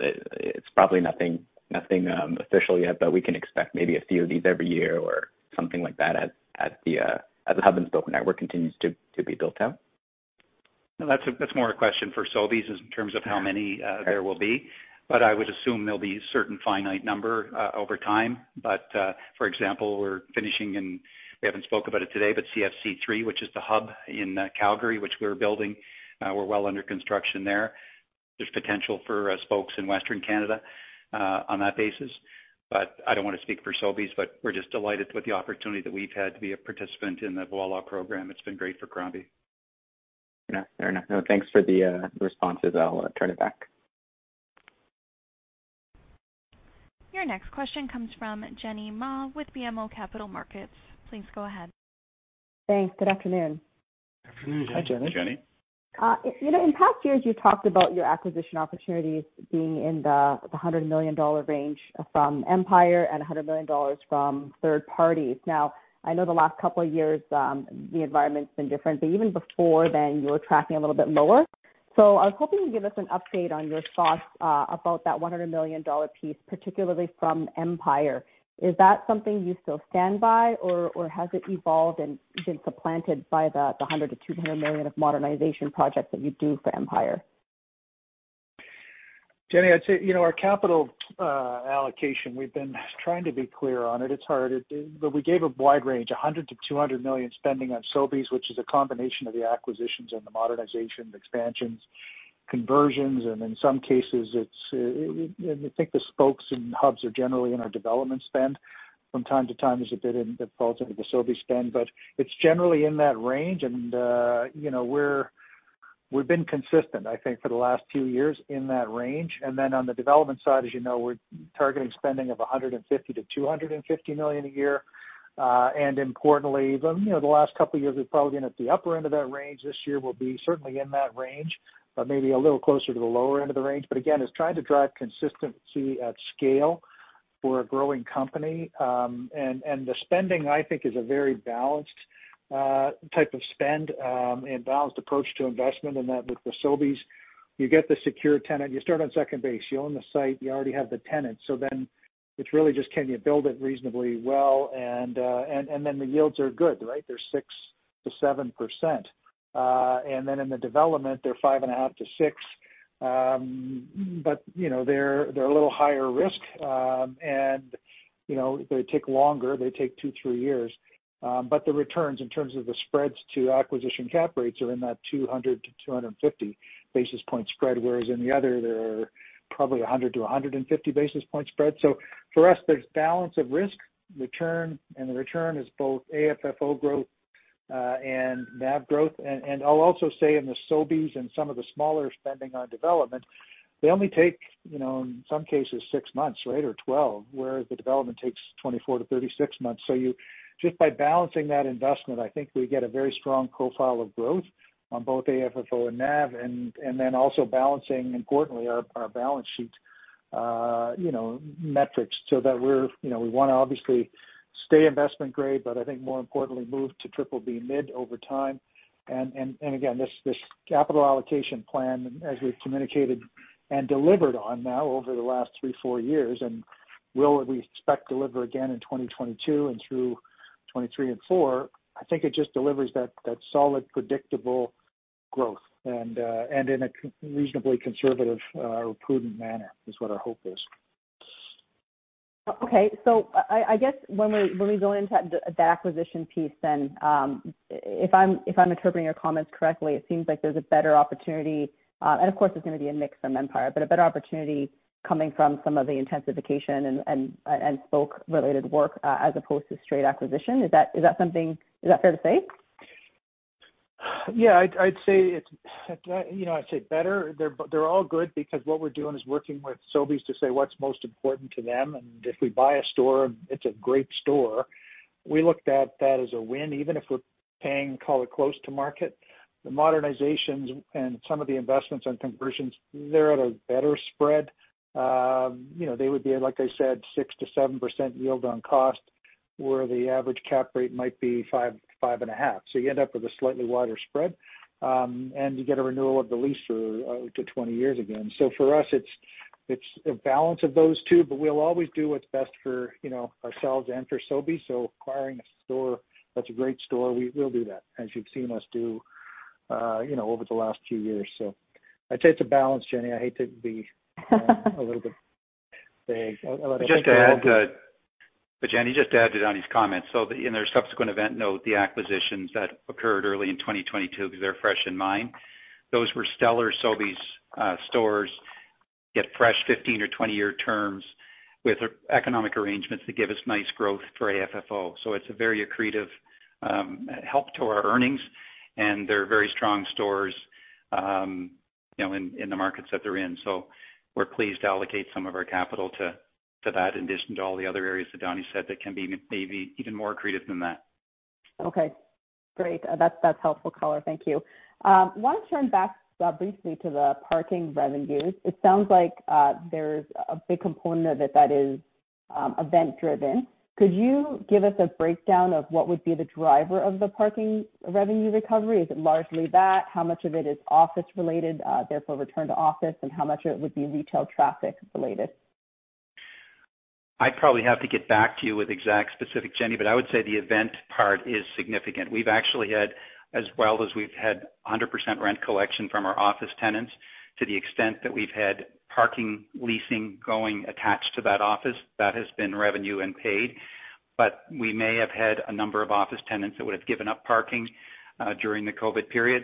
it's probably nothing official yet, but we can expect maybe a few of these every year or something like that as the hub and spoke network continues to be built out. No, that's more a question for Sobeys in terms of how many there will be. I would assume there'll be a certain finite number over time. For example, we're finishing and we haven't spoke about it today, but CFC 3, which is the hub in Calgary, which we're building, we're well under construction there. There's potential for spokes in Western Canada on that basis. I don't wanna speak for Sobeys, but we're just delighted with the opportunity that we've had to be a participant in the Voilà program. It's been great for Crombie. Yeah. Fair enough. No, thanks for the responses. I'll turn it back. Your next question comes from Jenny Ma with BMO Capital Markets. Please go ahead. Thanks. Good afternoon. Afternoon, Jenny. Hi, Jenny. Jenny. You know, in past years, you talked about your acquisition opportunities being in the 100 million dollar range from Empire and 100 million dollars from third parties. I know the last couple of years, the environment's been different. Even before then, you were tracking a little bit lower. I was hoping you give us an update on your thoughts about that 100 million dollar piece, particularly from Empire. Is that something you still stand by, or has it evolved and been supplanted by the 100 million-200 million of modernization projects that you do for Empire? Jenny, I'd say, you know, our capital allocation, we've been trying to be clear on it. It's hard. We gave a wide range, 100 million-200 million spending on Sobeys, which is a combination of the acquisitions and the modernizations, expansions, conversions, and in some cases, I think the hubs and spokes are generally in our development spend. From time to time, there's a bit of that falls into the Sobeys spend, but it's generally in that range. You know, we've been consistent, I think, for the last few years in that range. On the development side, as you know, we're targeting spending of 150 million-250 million a year. Importantly, you know, the last couple of years, we've probably been at the upper end of that range. This year, we'll be certainly in that range, but maybe a little closer to the lower end of the range. Again, it's trying to drive consistency at scale for a growing company. The spending, I think, is a very balanced type of spend and balanced approach to investment. That with the Sobeys, you get the secure tenant, you start on second base, you own the site, you already have the tenant. It's really just can you build it reasonably well, and then the yields are good, right? They're 6%-7%. And then in the development, they're 5.5%-6%. But you know, they're a little higher risk. And you know, they take longer, they take 2-3 years. The returns in terms of the spreads to acquisition cap rates are in that 200-250 basis point spread, whereas in the other, they're probably a 100-150 basis point spread. For us, there's balance of risk, return, and the return is both AFFO growth, and NAV growth. I'll also say in the Sobeys and some of the smaller spending on development, they only take, you know, in some cases, six months, right, or 12 months, whereas the development takes 24 months-36 months. You just by balancing that investment, I think we get a very strong profile of growth on both AFFO and NAV, and then also balancing, importantly, our balance sheet, you know, metrics so that we're, you know, we wanna obviously stay investment grade, but I think more importantly, move to BBB mid over time. Again, this capital allocation plan as we've communicated and delivered on now over the last three, four years, and will, we expect, deliver again in 2022 and through 2023 and 2024, I think it just delivers that solid, predictable growth and in a reasonably conservative or prudent manner is what our hope is. Okay. I guess when we go into that, the acquisition piece then, if I'm interpreting your comments correctly, it seems like there's a better opportunity. Of course there's gonna be a mix from Empire, but a better opportunity coming from some of the intensification and spoke-related work, as opposed to straight acquisition. Is that something? Is that fair to say? Yeah, I'd say it's, you know, I'd say better. They're all good because what we're doing is working with Sobeys to say what's most important to them. If we buy a store, it's a great store. We looked at that as a win, even if we're paying, call it, close to market. The modernizations and some of the investments on conversions, they're at a better spread. You know, they would be, like I said, 6%-7% yield on cost, where the average cap rate might be 5%-5.5%. You end up with a slightly wider spread, and you get a renewal of the lease for 20 years again. For us, it's a balance of those two, but we'll always do what's best for, you know, ourselves and for Sobeys. Acquiring a store that's a great store, we'll do that, as you've seen us do, you know, over the last few years. I'd say it's a balance, Jenny. I hate to be a little bit vague. Just to add, Jenny, just to add to Donny's comments. In their subsequent event note, the acquisitions that occurred early in 2022, because they're fresh in mind, those were stellar Sobeys stores with fresh 15-year or 20-year terms with economic arrangements that give us nice growth for AFFO. It's a very accretive help to our earnings, and they're very strong stores, you know, in the markets that they're in. We're pleased to allocate some of our capital to that in addition to all the other areas that Donny said that can be maybe even more accretive than that. Okay, great. That's helpful color. Thank you. Wanna turn back briefly to the parking revenues. It sounds like there's a big component of it that is event driven. Could you give us a breakdown of what would be the driver of the parking revenue recovery? Is it largely that? How much of it is office related, therefore return to office? And how much of it would be retail traffic related? I'd probably have to get back to you with exact specifics, Jenny, but I would say the event part is significant. We've actually had 100% rent collection from our office tenants to the extent that we've had parking leasing going attached to that office that has been revenue and paid. We may have had a number of office tenants that would've given up parking during the COVID period.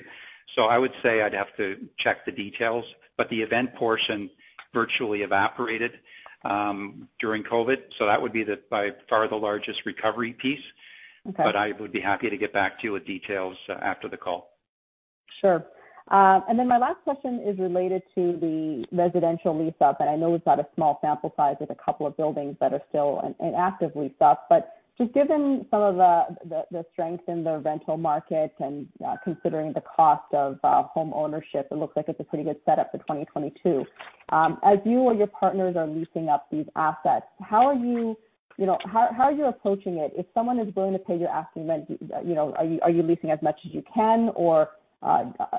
I would say I'd have to check the details, but the event portion virtually evaporated during COVID, so that would be, by far, the largest recovery piece. Okay. I would be happy to get back to you with details, after the call. Sure. Then my last question is related to the residential lease-up. I know it's not a small sample size with a couple of buildings that are still in active lease-up. Just given some of the strength in the rental market and considering the cost of home ownership, it looks like it's a pretty good setup for 2022. As you or your partners are leasing up these assets, you know, how are you approaching it? If someone is willing to pay your asking rent, you know, are you leasing as much as you can? Or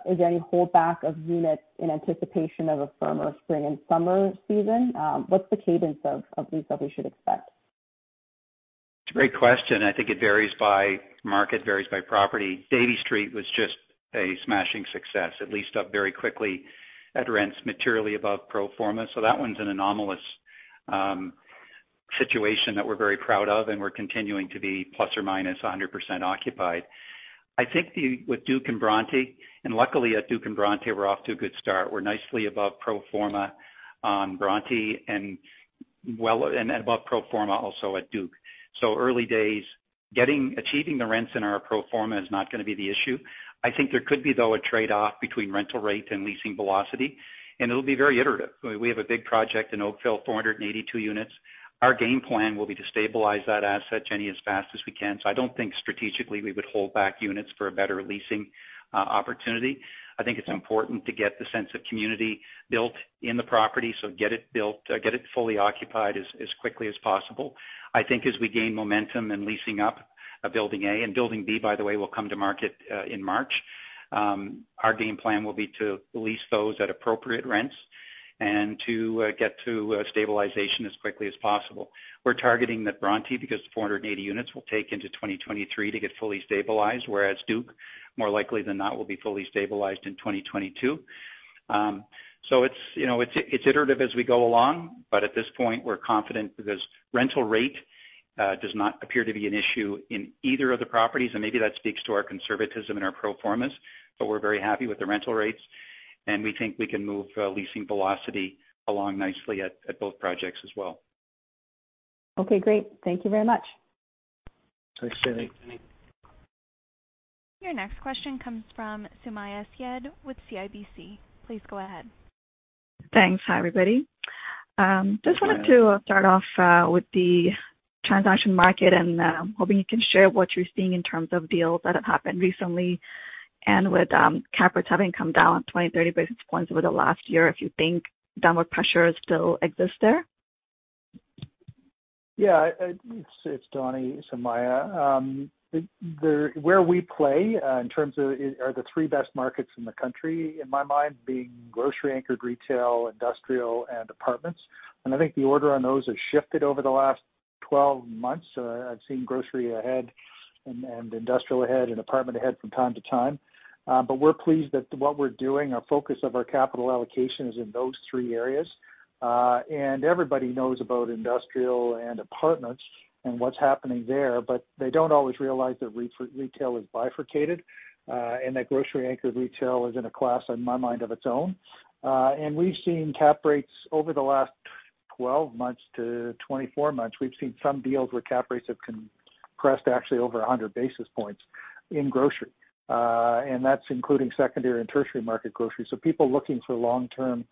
is there any holdback of units in anticipation of a firmer spring and summer season? What's the cadence of lease-up we should expect? It's a great question. I think it varies by market, varies by property. Davie Street was just a smashing success. It leased up very quickly at rents materially above pro forma. That one's an anomalous situation that we're very proud of, and we're continuing to be ±100% occupied. I think with Duke and Bronte, and luckily at Duke and Bronte, we're off to a good start. We're nicely above pro forma on Bronte and well and above pro forma also at Duke. Early days. Achieving the rents in our pro forma is not gonna be the issue. I think there could be, though, a trade-off between rental rate and leasing velocity, and it'll be very iterative. We have a big project in Oakville, 482 units. Our game plan will be to stabilize that asset, Jenny, as fast as we can. I don't think strategically we would hold back units for a better leasing opportunity. I think it's important to get the sense of community built in the property, get it built, get it fully occupied as quickly as possible. I think as we gain momentum in leasing up building A, and building B, by the way, will come to market in March, our game plan will be to lease those at appropriate rents and to get to stabilization as quickly as possible. We're targeting that Bronte, because the 480 units will take into 2023 to get fully stabilized, whereas Le Duke, more likely than not, will be fully stabilized in 2022. It's, you know, iterative as we go along, but at this point we're confident because rental rate does not appear to be an issue in either of the properties, and maybe that speaks to our conservatism and our pro formas. We're very happy with the rental rates, and we think we can move leasing velocity along nicely at both projects as well. Okay, great. Thank you very much. Thanks, Jenny. Thanks, Jenny. Your next question comes from Sumayya Syed with CIBC. Please go ahead. Thanks. Hi, everybody. Just wanted to start off with the transaction market, and hoping you can share what you're seeing in terms of deals that have happened recently. With cap rates having come down 20-30 basis points over the last year, if you think downward pressure still exists there? Yeah, it's Donny, Sumayya. Where we play in terms of are the three best markets in the country, in my mind, being grocery anchored retail, industrial, and apartments. I think the order on those has shifted over the last 12 months. I've seen grocery ahead and industrial ahead and apartment ahead from time to time. We're pleased that what we're doing, our focus of our capital allocation is in those three areas. Everybody knows about industrial and apartments and what's happening there, but they don't always realize that retail is bifurcated, and that grocery anchored retail is in a class, in my mind, of its own. We've seen cap rates over the last 12 months-24 months. We've seen some deals where cap rates have compressed actually over a hundred basis points in grocery. That's including secondary and tertiary market grocery. People looking for long-term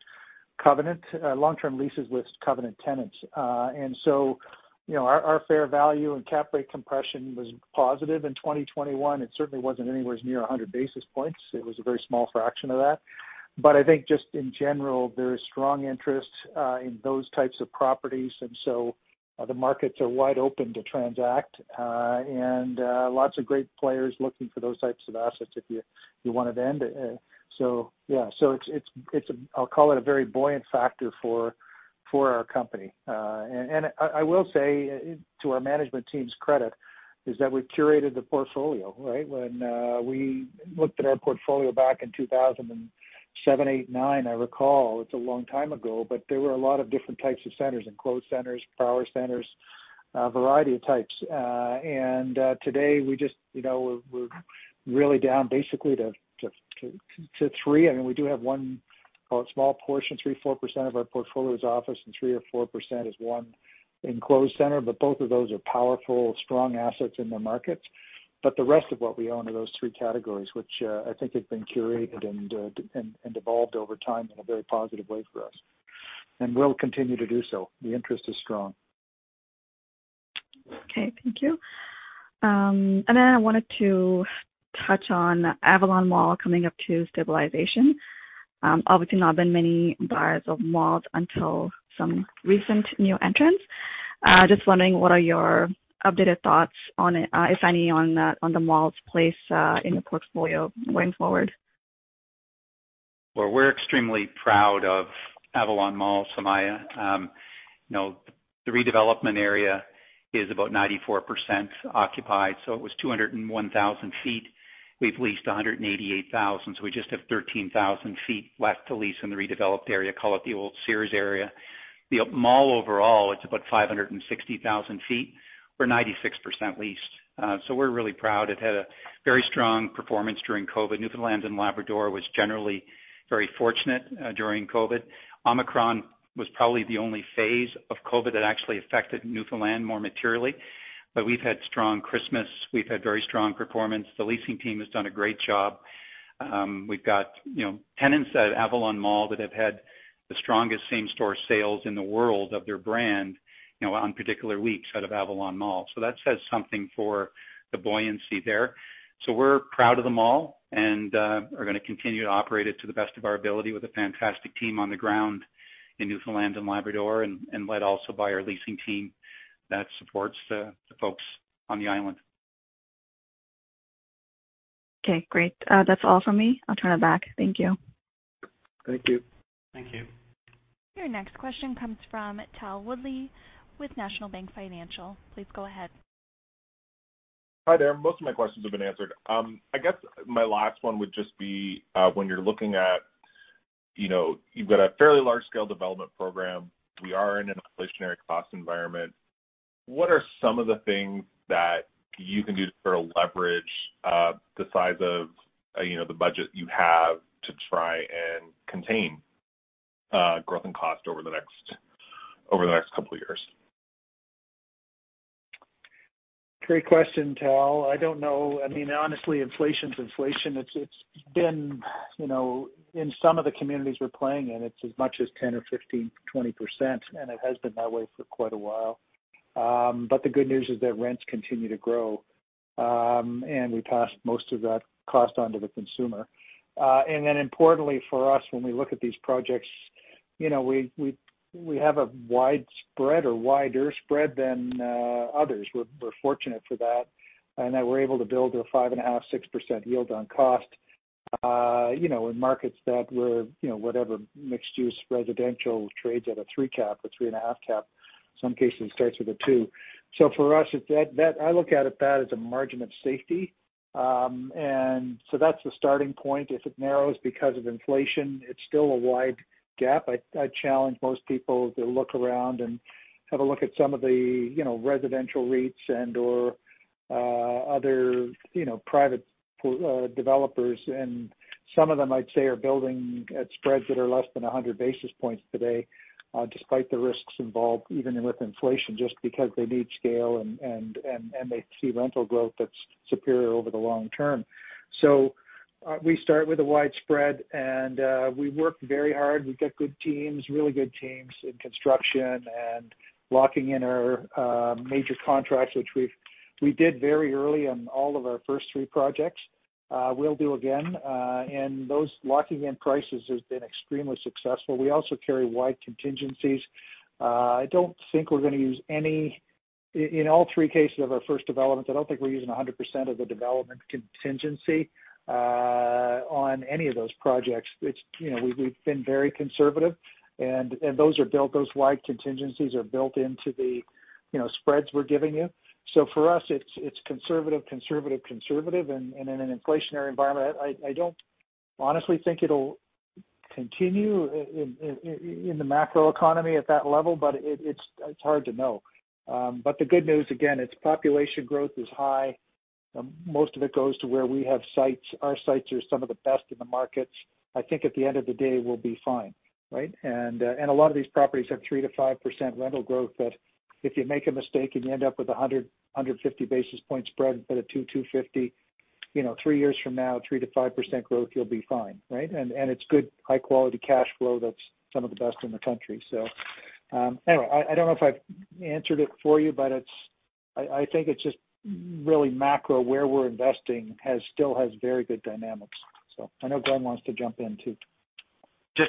covenant, long-term leases with covenant tenants. You know, our fair value and cap rate compression was positive in 2021. It certainly wasn't anywhere near 100 basis points. It was a very small fraction of that. But I think just in general, there is strong interest in those types of properties, and the markets are wide open to transact, and lots of great players looking for those types of assets if you want to vend. Yeah. It's a very buoyant factor for our company. I will say to our management team's credit is that we've curated the portfolio, right? When we looked at our portfolio back in 2007-2009, I recall, it's a long time ago, but there were a lot of different types of centers, enclosed centers, power centers, variety of types. Today we just, you know, we're really down basically to three. I mean, we do have one call it small portion, 3%-4% of our portfolio's office and 3%-4% is one enclosed center, but both of those are powerful, strong assets in the markets. The rest of what we own are those three categories, which I think have been curated and evolved over time in a very positive way for us. Will continue to do so. The interest is strong. Okay. Thank you. I wanted to touch on Avalon Mall coming up to stabilization. Obviously not been many buyers of malls until some recent new entrants. Just wondering what are your updated thoughts on it, if any, on the mall's place in the portfolio going forward? Well, we're extremely proud of Avalon Mall, Sumayya. You know, the redevelopment area is about 94% occupied, so it was 201,000 ft. We've leased 188,000 sq ft, so we just have 13,000 ft left to lease in the redeveloped area, call it the old Sears area. The mall overall, it's about 560,000 ft. We're 96% leased. So we're really proud. It had a very strong performance during COVID. Newfoundland and Labrador was generally very fortunate during COVID. Omicron was probably the only phase of COVID that actually affected Newfoundland more materially. We've had strong Christmas. We've had very strong performance. The leasing team has done a great job. We've got, you know, tenants at Avalon Mall that have had the strongest same store sales in the world of their brand, you know, on particular weeks out of Avalon Mall. That says something for the buoyancy there. We're proud of the mall and are gonna continue to operate it to the best of our ability with a fantastic team on the ground in Newfoundland and Labrador and led also by our leasing team that supports the folks on the island. Okay, great. That's all for me. I'll turn it back. Thank you. Thank you. Thank you. Your next question comes from Tal Woolley with National Bank Financial. Please go ahead. Hi there. Most of my questions have been answered. I guess my last one would just be, when you're looking at, you know, you've got a fairly large scale development program. We are in an inflationary cost environment. What are some of the things that you can do to sort of leverage the size of, you know, the budget you have to try and contain growth and cost over the next couple of years? Great question, Tal. I don't know. I mean, honestly, inflation's inflation. It's been, you know, in some of the communities we're playing in, it's as much as 10% or 15%, 20%, and it has been that way for quite a while. The good news is that rents continue to grow, and we pass most of that cost on to the consumer. Importantly for us, when we look at these projects, you know, we have a wide spread or wider spread than others. We're fortunate for that. In that we're able to build a 5.5%, 6% yield on cost, you know, in markets that, you know, whatever, mixed-use residential trades at a 3 cap, a 2.5 cap, some cases starts with a 2 cap. For us, it's that I look at it as a margin of safety. That's the starting point. If it narrows because of inflation, it's still a wide gap. I challenge most people to look around and have a look at some of the, you know, residential REITs and or other, you know, private pool developers. Some of them, I'd say, are building at spreads that are less than 100 basis points today, despite the risks involved, even with inflation, just because they need scale and they see rental growth that's superior over the long term. We start with a wide spread and we work very hard. We've got good teams, really good teams in construction and locking in our major contracts, which we did very early on all of our first three projects. We'll do again, and those locking in prices has been extremely successful. We also carry wide contingencies. I don't think we're gonna use any. In all three cases of our first development, I don't think we're using 100% of the development contingency on any of those projects. You know, we've been very conservative, and those wide contingencies are built into the, you know, spreads we're giving you. For us, it's conservative, and in an inflationary environment. I don't honestly think it'll continue in the macro economy at that level, but it's hard to know. The good news, again, its population growth is high. Most of it goes to where we have sites. Our sites are some of the best in the markets. I think at the end of the day, we'll be fine, right? A lot of these properties have 3%-5% rental growth that if you make a mistake and you end up with a 100-150 basis point spread instead of 200-250 basis point, you know, 3 years from now, 3%-5% growth, you'll be fine, right? It's good high quality cash flow that's some of the best in the country. Anyway, I don't know if I've answered it for you, but I think it's just really macro where we're investing still has very good dynamics. I know Glenn wants to jump in too. That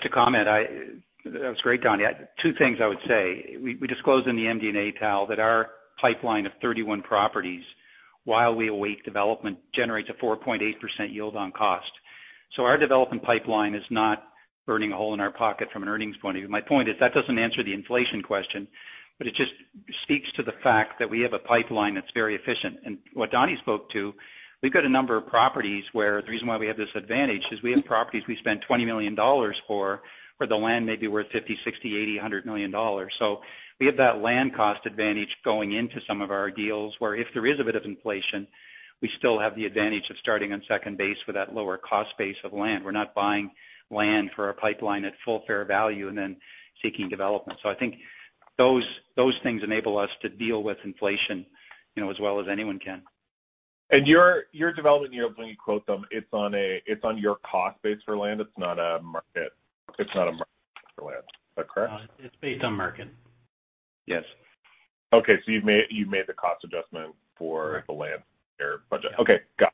was great, Donny. Two things I would say. We disclosed in the MD&A, Tal, that our pipeline of 31 properties while we await development generates a 4.8% yield on cost. So our development pipeline is not burning a hole in our pocket from an earnings point of view. My point is that doesn't answer the inflation question, but it just speaks to the fact that we have a pipeline that's very efficient. What Donny spoke to, we've got a number of properties where the reason why we have this advantage is we have properties we spend 20 million dollars for, where the land may be w orth CAD 50 million, CAD 60 million, CAD 80 million, CAD 100 million. We have that land cost advantage going into some of our deals where if there is a bit of inflation, we still have the advantage of starting on second base with that lower cost base of land. We're not buying land for our pipeline at full fair value and then seeking development. I think those things enable us to deal with inflation, you know, as well as anyone can. Your development yield, when you quote them, it's on your cost base for land. It's not a market for land. Is that correct? It's based on market. Yes. Okay. You've made the cost adjustment for- Right. The land fair budget. Yeah. Okay. Got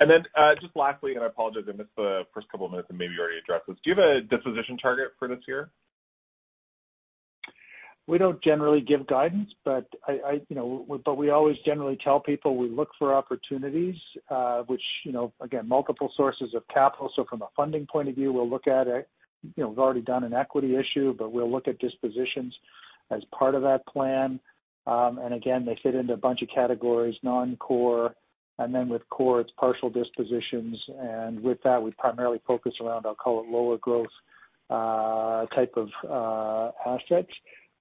it. Just lastly, I apologize, I missed the first couple of minutes and maybe you already addressed this. Do you have a disposition target for this year? We don't generally give guidance, but I, you know, but we always generally tell people we look for opportunities, which, you know, again, multiple sources of capital. From a funding point of view, we'll look at it. You know, we've already done an equity issue, but we'll look at dispositions as part of that plan. Again, they fit into a bunch of categories, non-core, and then with core it's partial dispositions. With that, we primarily focus around, I'll call it lower growth type of assets.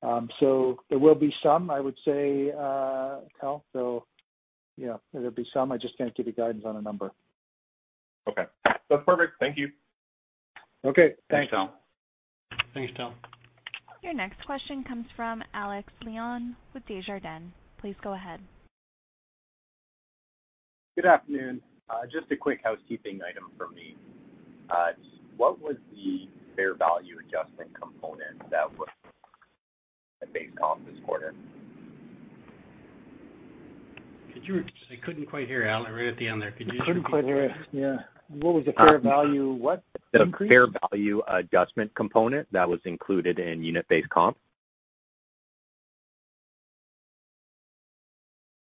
There will be some, I would say, Tal. You know, there'll be some, I just can't give you guidance on a number. Okay. That's perfect. Thank you. Okay, thanks. Thanks, Tal. Thanks, Tal. Your next question comes from Alex Leon with Desjardins. Please go ahead. Good afternoon. Just a quick housekeeping item for me. What was the fair value adjustment component that was at base comp this quarter? I couldn't quite hear, Alex, right at the end there. Could you just I couldn't quite hear. Yeah. What was the fair value, what? Increase? The fair value adjustment component that was included in unit-based comp.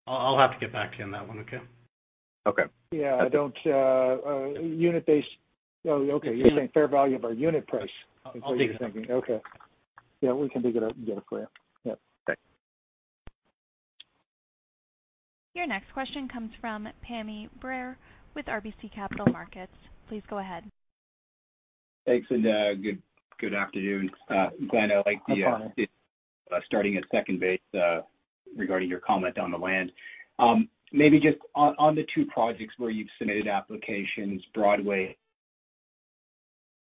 I'll have to get back to you on that one. Okay? Okay. Yeah, I don't. Oh, okay. You're saying fair value of our unit price- I'll dig it up. Is what you're thinking. Okay. Yeah, we can dig it up and get it for you. Yep. Great. Your next question comes from Pammi Bir with RBC Capital Markets. Please go ahead. Thanks and good afternoon. Glenn, I like the- Hi, Pammi. Starting at second base, regarding your comment on the land. Maybe just on the two projects where you've submitted applications, Broadway,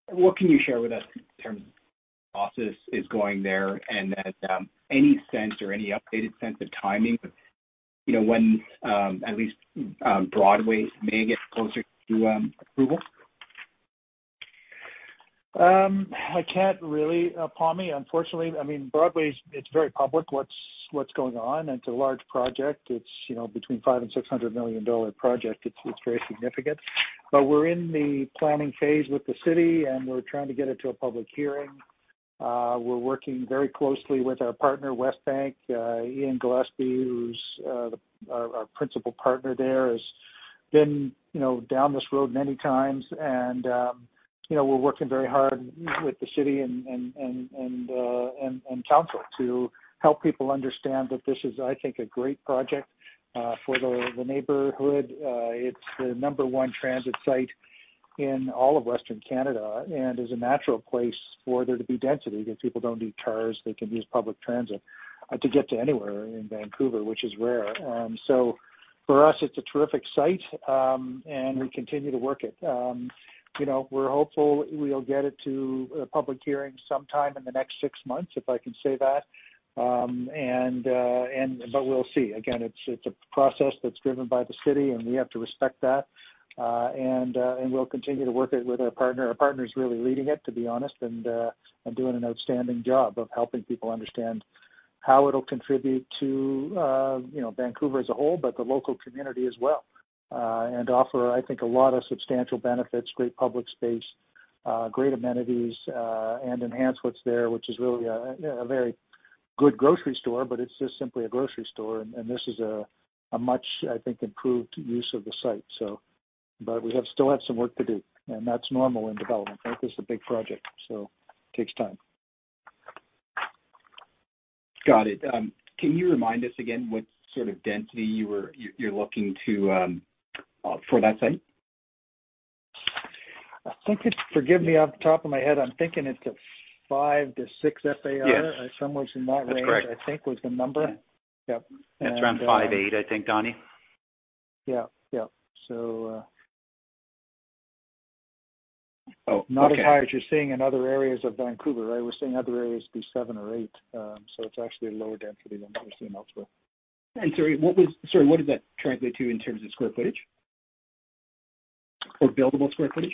what can you share with us in terms of the process that's going on there and any sense or any updated sense of timing of, you know, when at least Broadway may get closer to approval? I can't really, Pammi, unfortunately. I mean, Broadway is, it's very public. What's going on. It's a large project. It's, you know, 500 million-600 million dollar project. It's very significant. We're in the planning phase with the city, and we're trying to get it to a public hearing. We're working very closely with our partner, Westbank. Ian Gillespie, who's our principal partner there, has been, you know, down this road many times. You know, we're working very hard with the city and council to help people understand that this is, I think, a great project for the neighborhood. It's the number one transit site in all of Western Canada and is a natural place for there to be density that people don't need cars. They can use public transit to get to anywhere in Vancouver, which is rare. For us, it's a terrific site and we continue to work it. You know, we're hopeful we'll get it to a public hearing sometime in the next six months, if I can say that. We'll see. Again, it's a process that's driven by the city, and we have to respect that. We'll continue to work it with our partner. Our partner is really leading it, to be honest, and doing an outstanding job of helping people understand how it'll contribute to, you know, Vancouver as a whole, but the local community as well, and offer, I think, a lot of substantial benefits, great public space, great amenities, and enhance what's there, which is really a very good grocery store, but it's just simply a grocery store. This is a much, I think, improved use of the site. We still have some work to do, and that's normal in development. This is a big project, so takes time. Got it. Can you remind us again what sort of density you're looking to for that site? Forgive me, off the top of my head, I'm thinking it's a 5 FAR-6 FAR. Yes. Somewhere in that range. That's correct. I think that was the number. Yep. It's around 5.8 FAR, I think, Donny. Yeah. Yeah. So, Oh, okay. Not as high as you're seeing in other areas of Vancouver, right? We're seeing other areas be seven or eight. It's actually a lower density than we're seeing elsewhere. Sorry, what does that translate to in terms of square footage? Or buildable square footage?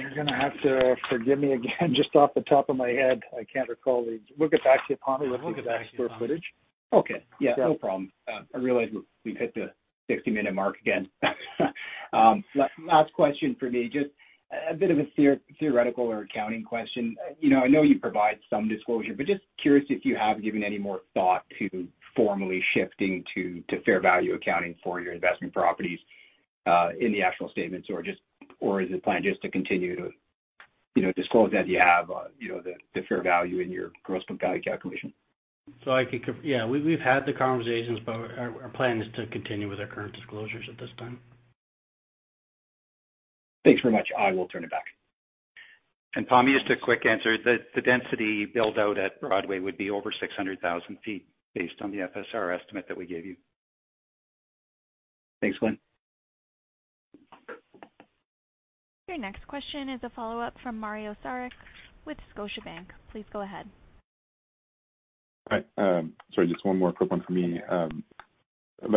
You're gonna have to forgive me again, just off the top of my head. I can't recall the. We'll get back to you, Pammi. We'll get back to you on square footage. Okay. Yeah, no problem. I realize we've hit the 60-minute mark again. Last question for me. Just a bit of a theoretical or accounting question. You know, I know you provide some disclosure, but just curious if you have given any more thought to formally shifting to fair value accounting for your investment properties in the actual statements, or just is the plan just to continue to, you know, disclose as you have, you know, the fair value in your gross book value calculation? I think, yeah, we've had the conversations, but our plan is to continue with our current disclosures at this time. Thanks very much. I will turn it back. Tommy, just a quick answer. The density build-out at Broadway would be over 600,000 ft based on the FSR estimate that we gave you. Thanks, Glenn. Your next question is a follow-up from Mario Saric with Scotiabank. Please go ahead. Hi. Sorry, just one more quick one from me.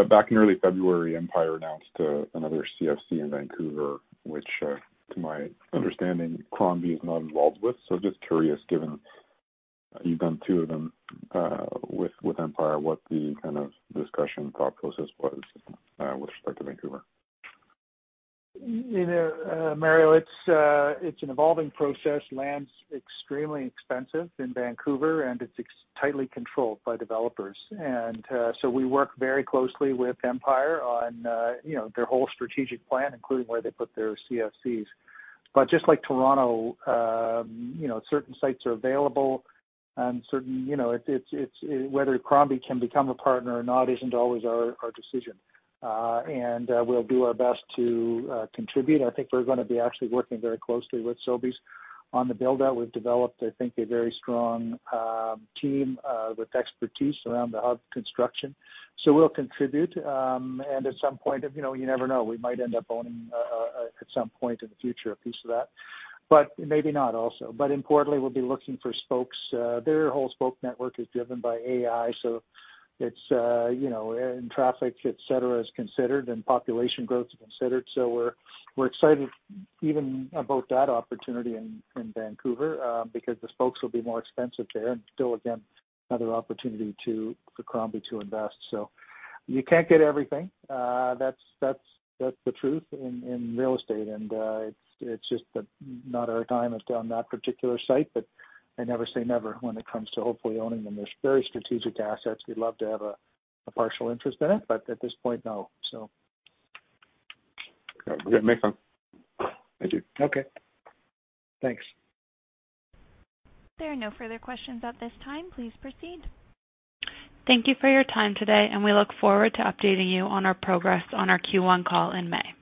Back in early February, Empire announced another CFC in Vancouver, which, to my understanding, Crombie is not involved with. Just curious, given you've done two of them, with Empire, what the kind of discussion thought process was, with respect to Vancouver. You know, Mario, it's an evolving process. Land's extremely expensive in Vancouver, and it's tightly controlled by developers. We work very closely with Empire on, you know, their whole strategic plan, including where they put their CFCs. Just like Toronto, you know, certain sites are available and certain, you know, it's whether Crombie can become a partner or not isn't always our decision. We'll do our best to contribute. I think we're gonna be actually working very closely with Sobeys on the build-out. We've developed, I think, a very strong team with expertise around the hub construction. We'll contribute. At some point, you know, you never know, we might end up owning, at some point in the future a piece of that, but maybe not also. Importantly, we'll be looking for spokes. Their whole spoke network is driven by AI, so it's, you know, and traffic, et cetera, is considered and population growth is considered. We're excited even about that opportunity in Vancouver, because the spokes will be more expensive there and still, again, another opportunity for Crombie to invest. You can't get everything. That's the truth in real estate. It's just that now's not our time on that particular site, but I never say never when it comes to hopefully owning them. They're very strategic assets. We'd love to have a partial interest in it, but at this point, no. Okay. Makes sense. Thank you. Okay. Thanks. There are no further questions at this time. Please proceed. Thank you for your time today, and we look forward to updating you on our progress on our Q1 call in May.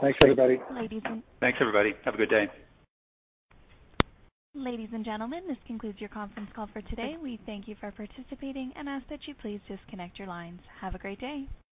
Thanks, everybody. Ladies and- Thanks, everybody. Have a good day. Ladies and gentlemen, this concludes your conference call for today. We thank you for participating and ask that you please disconnect your lines. Have a great day.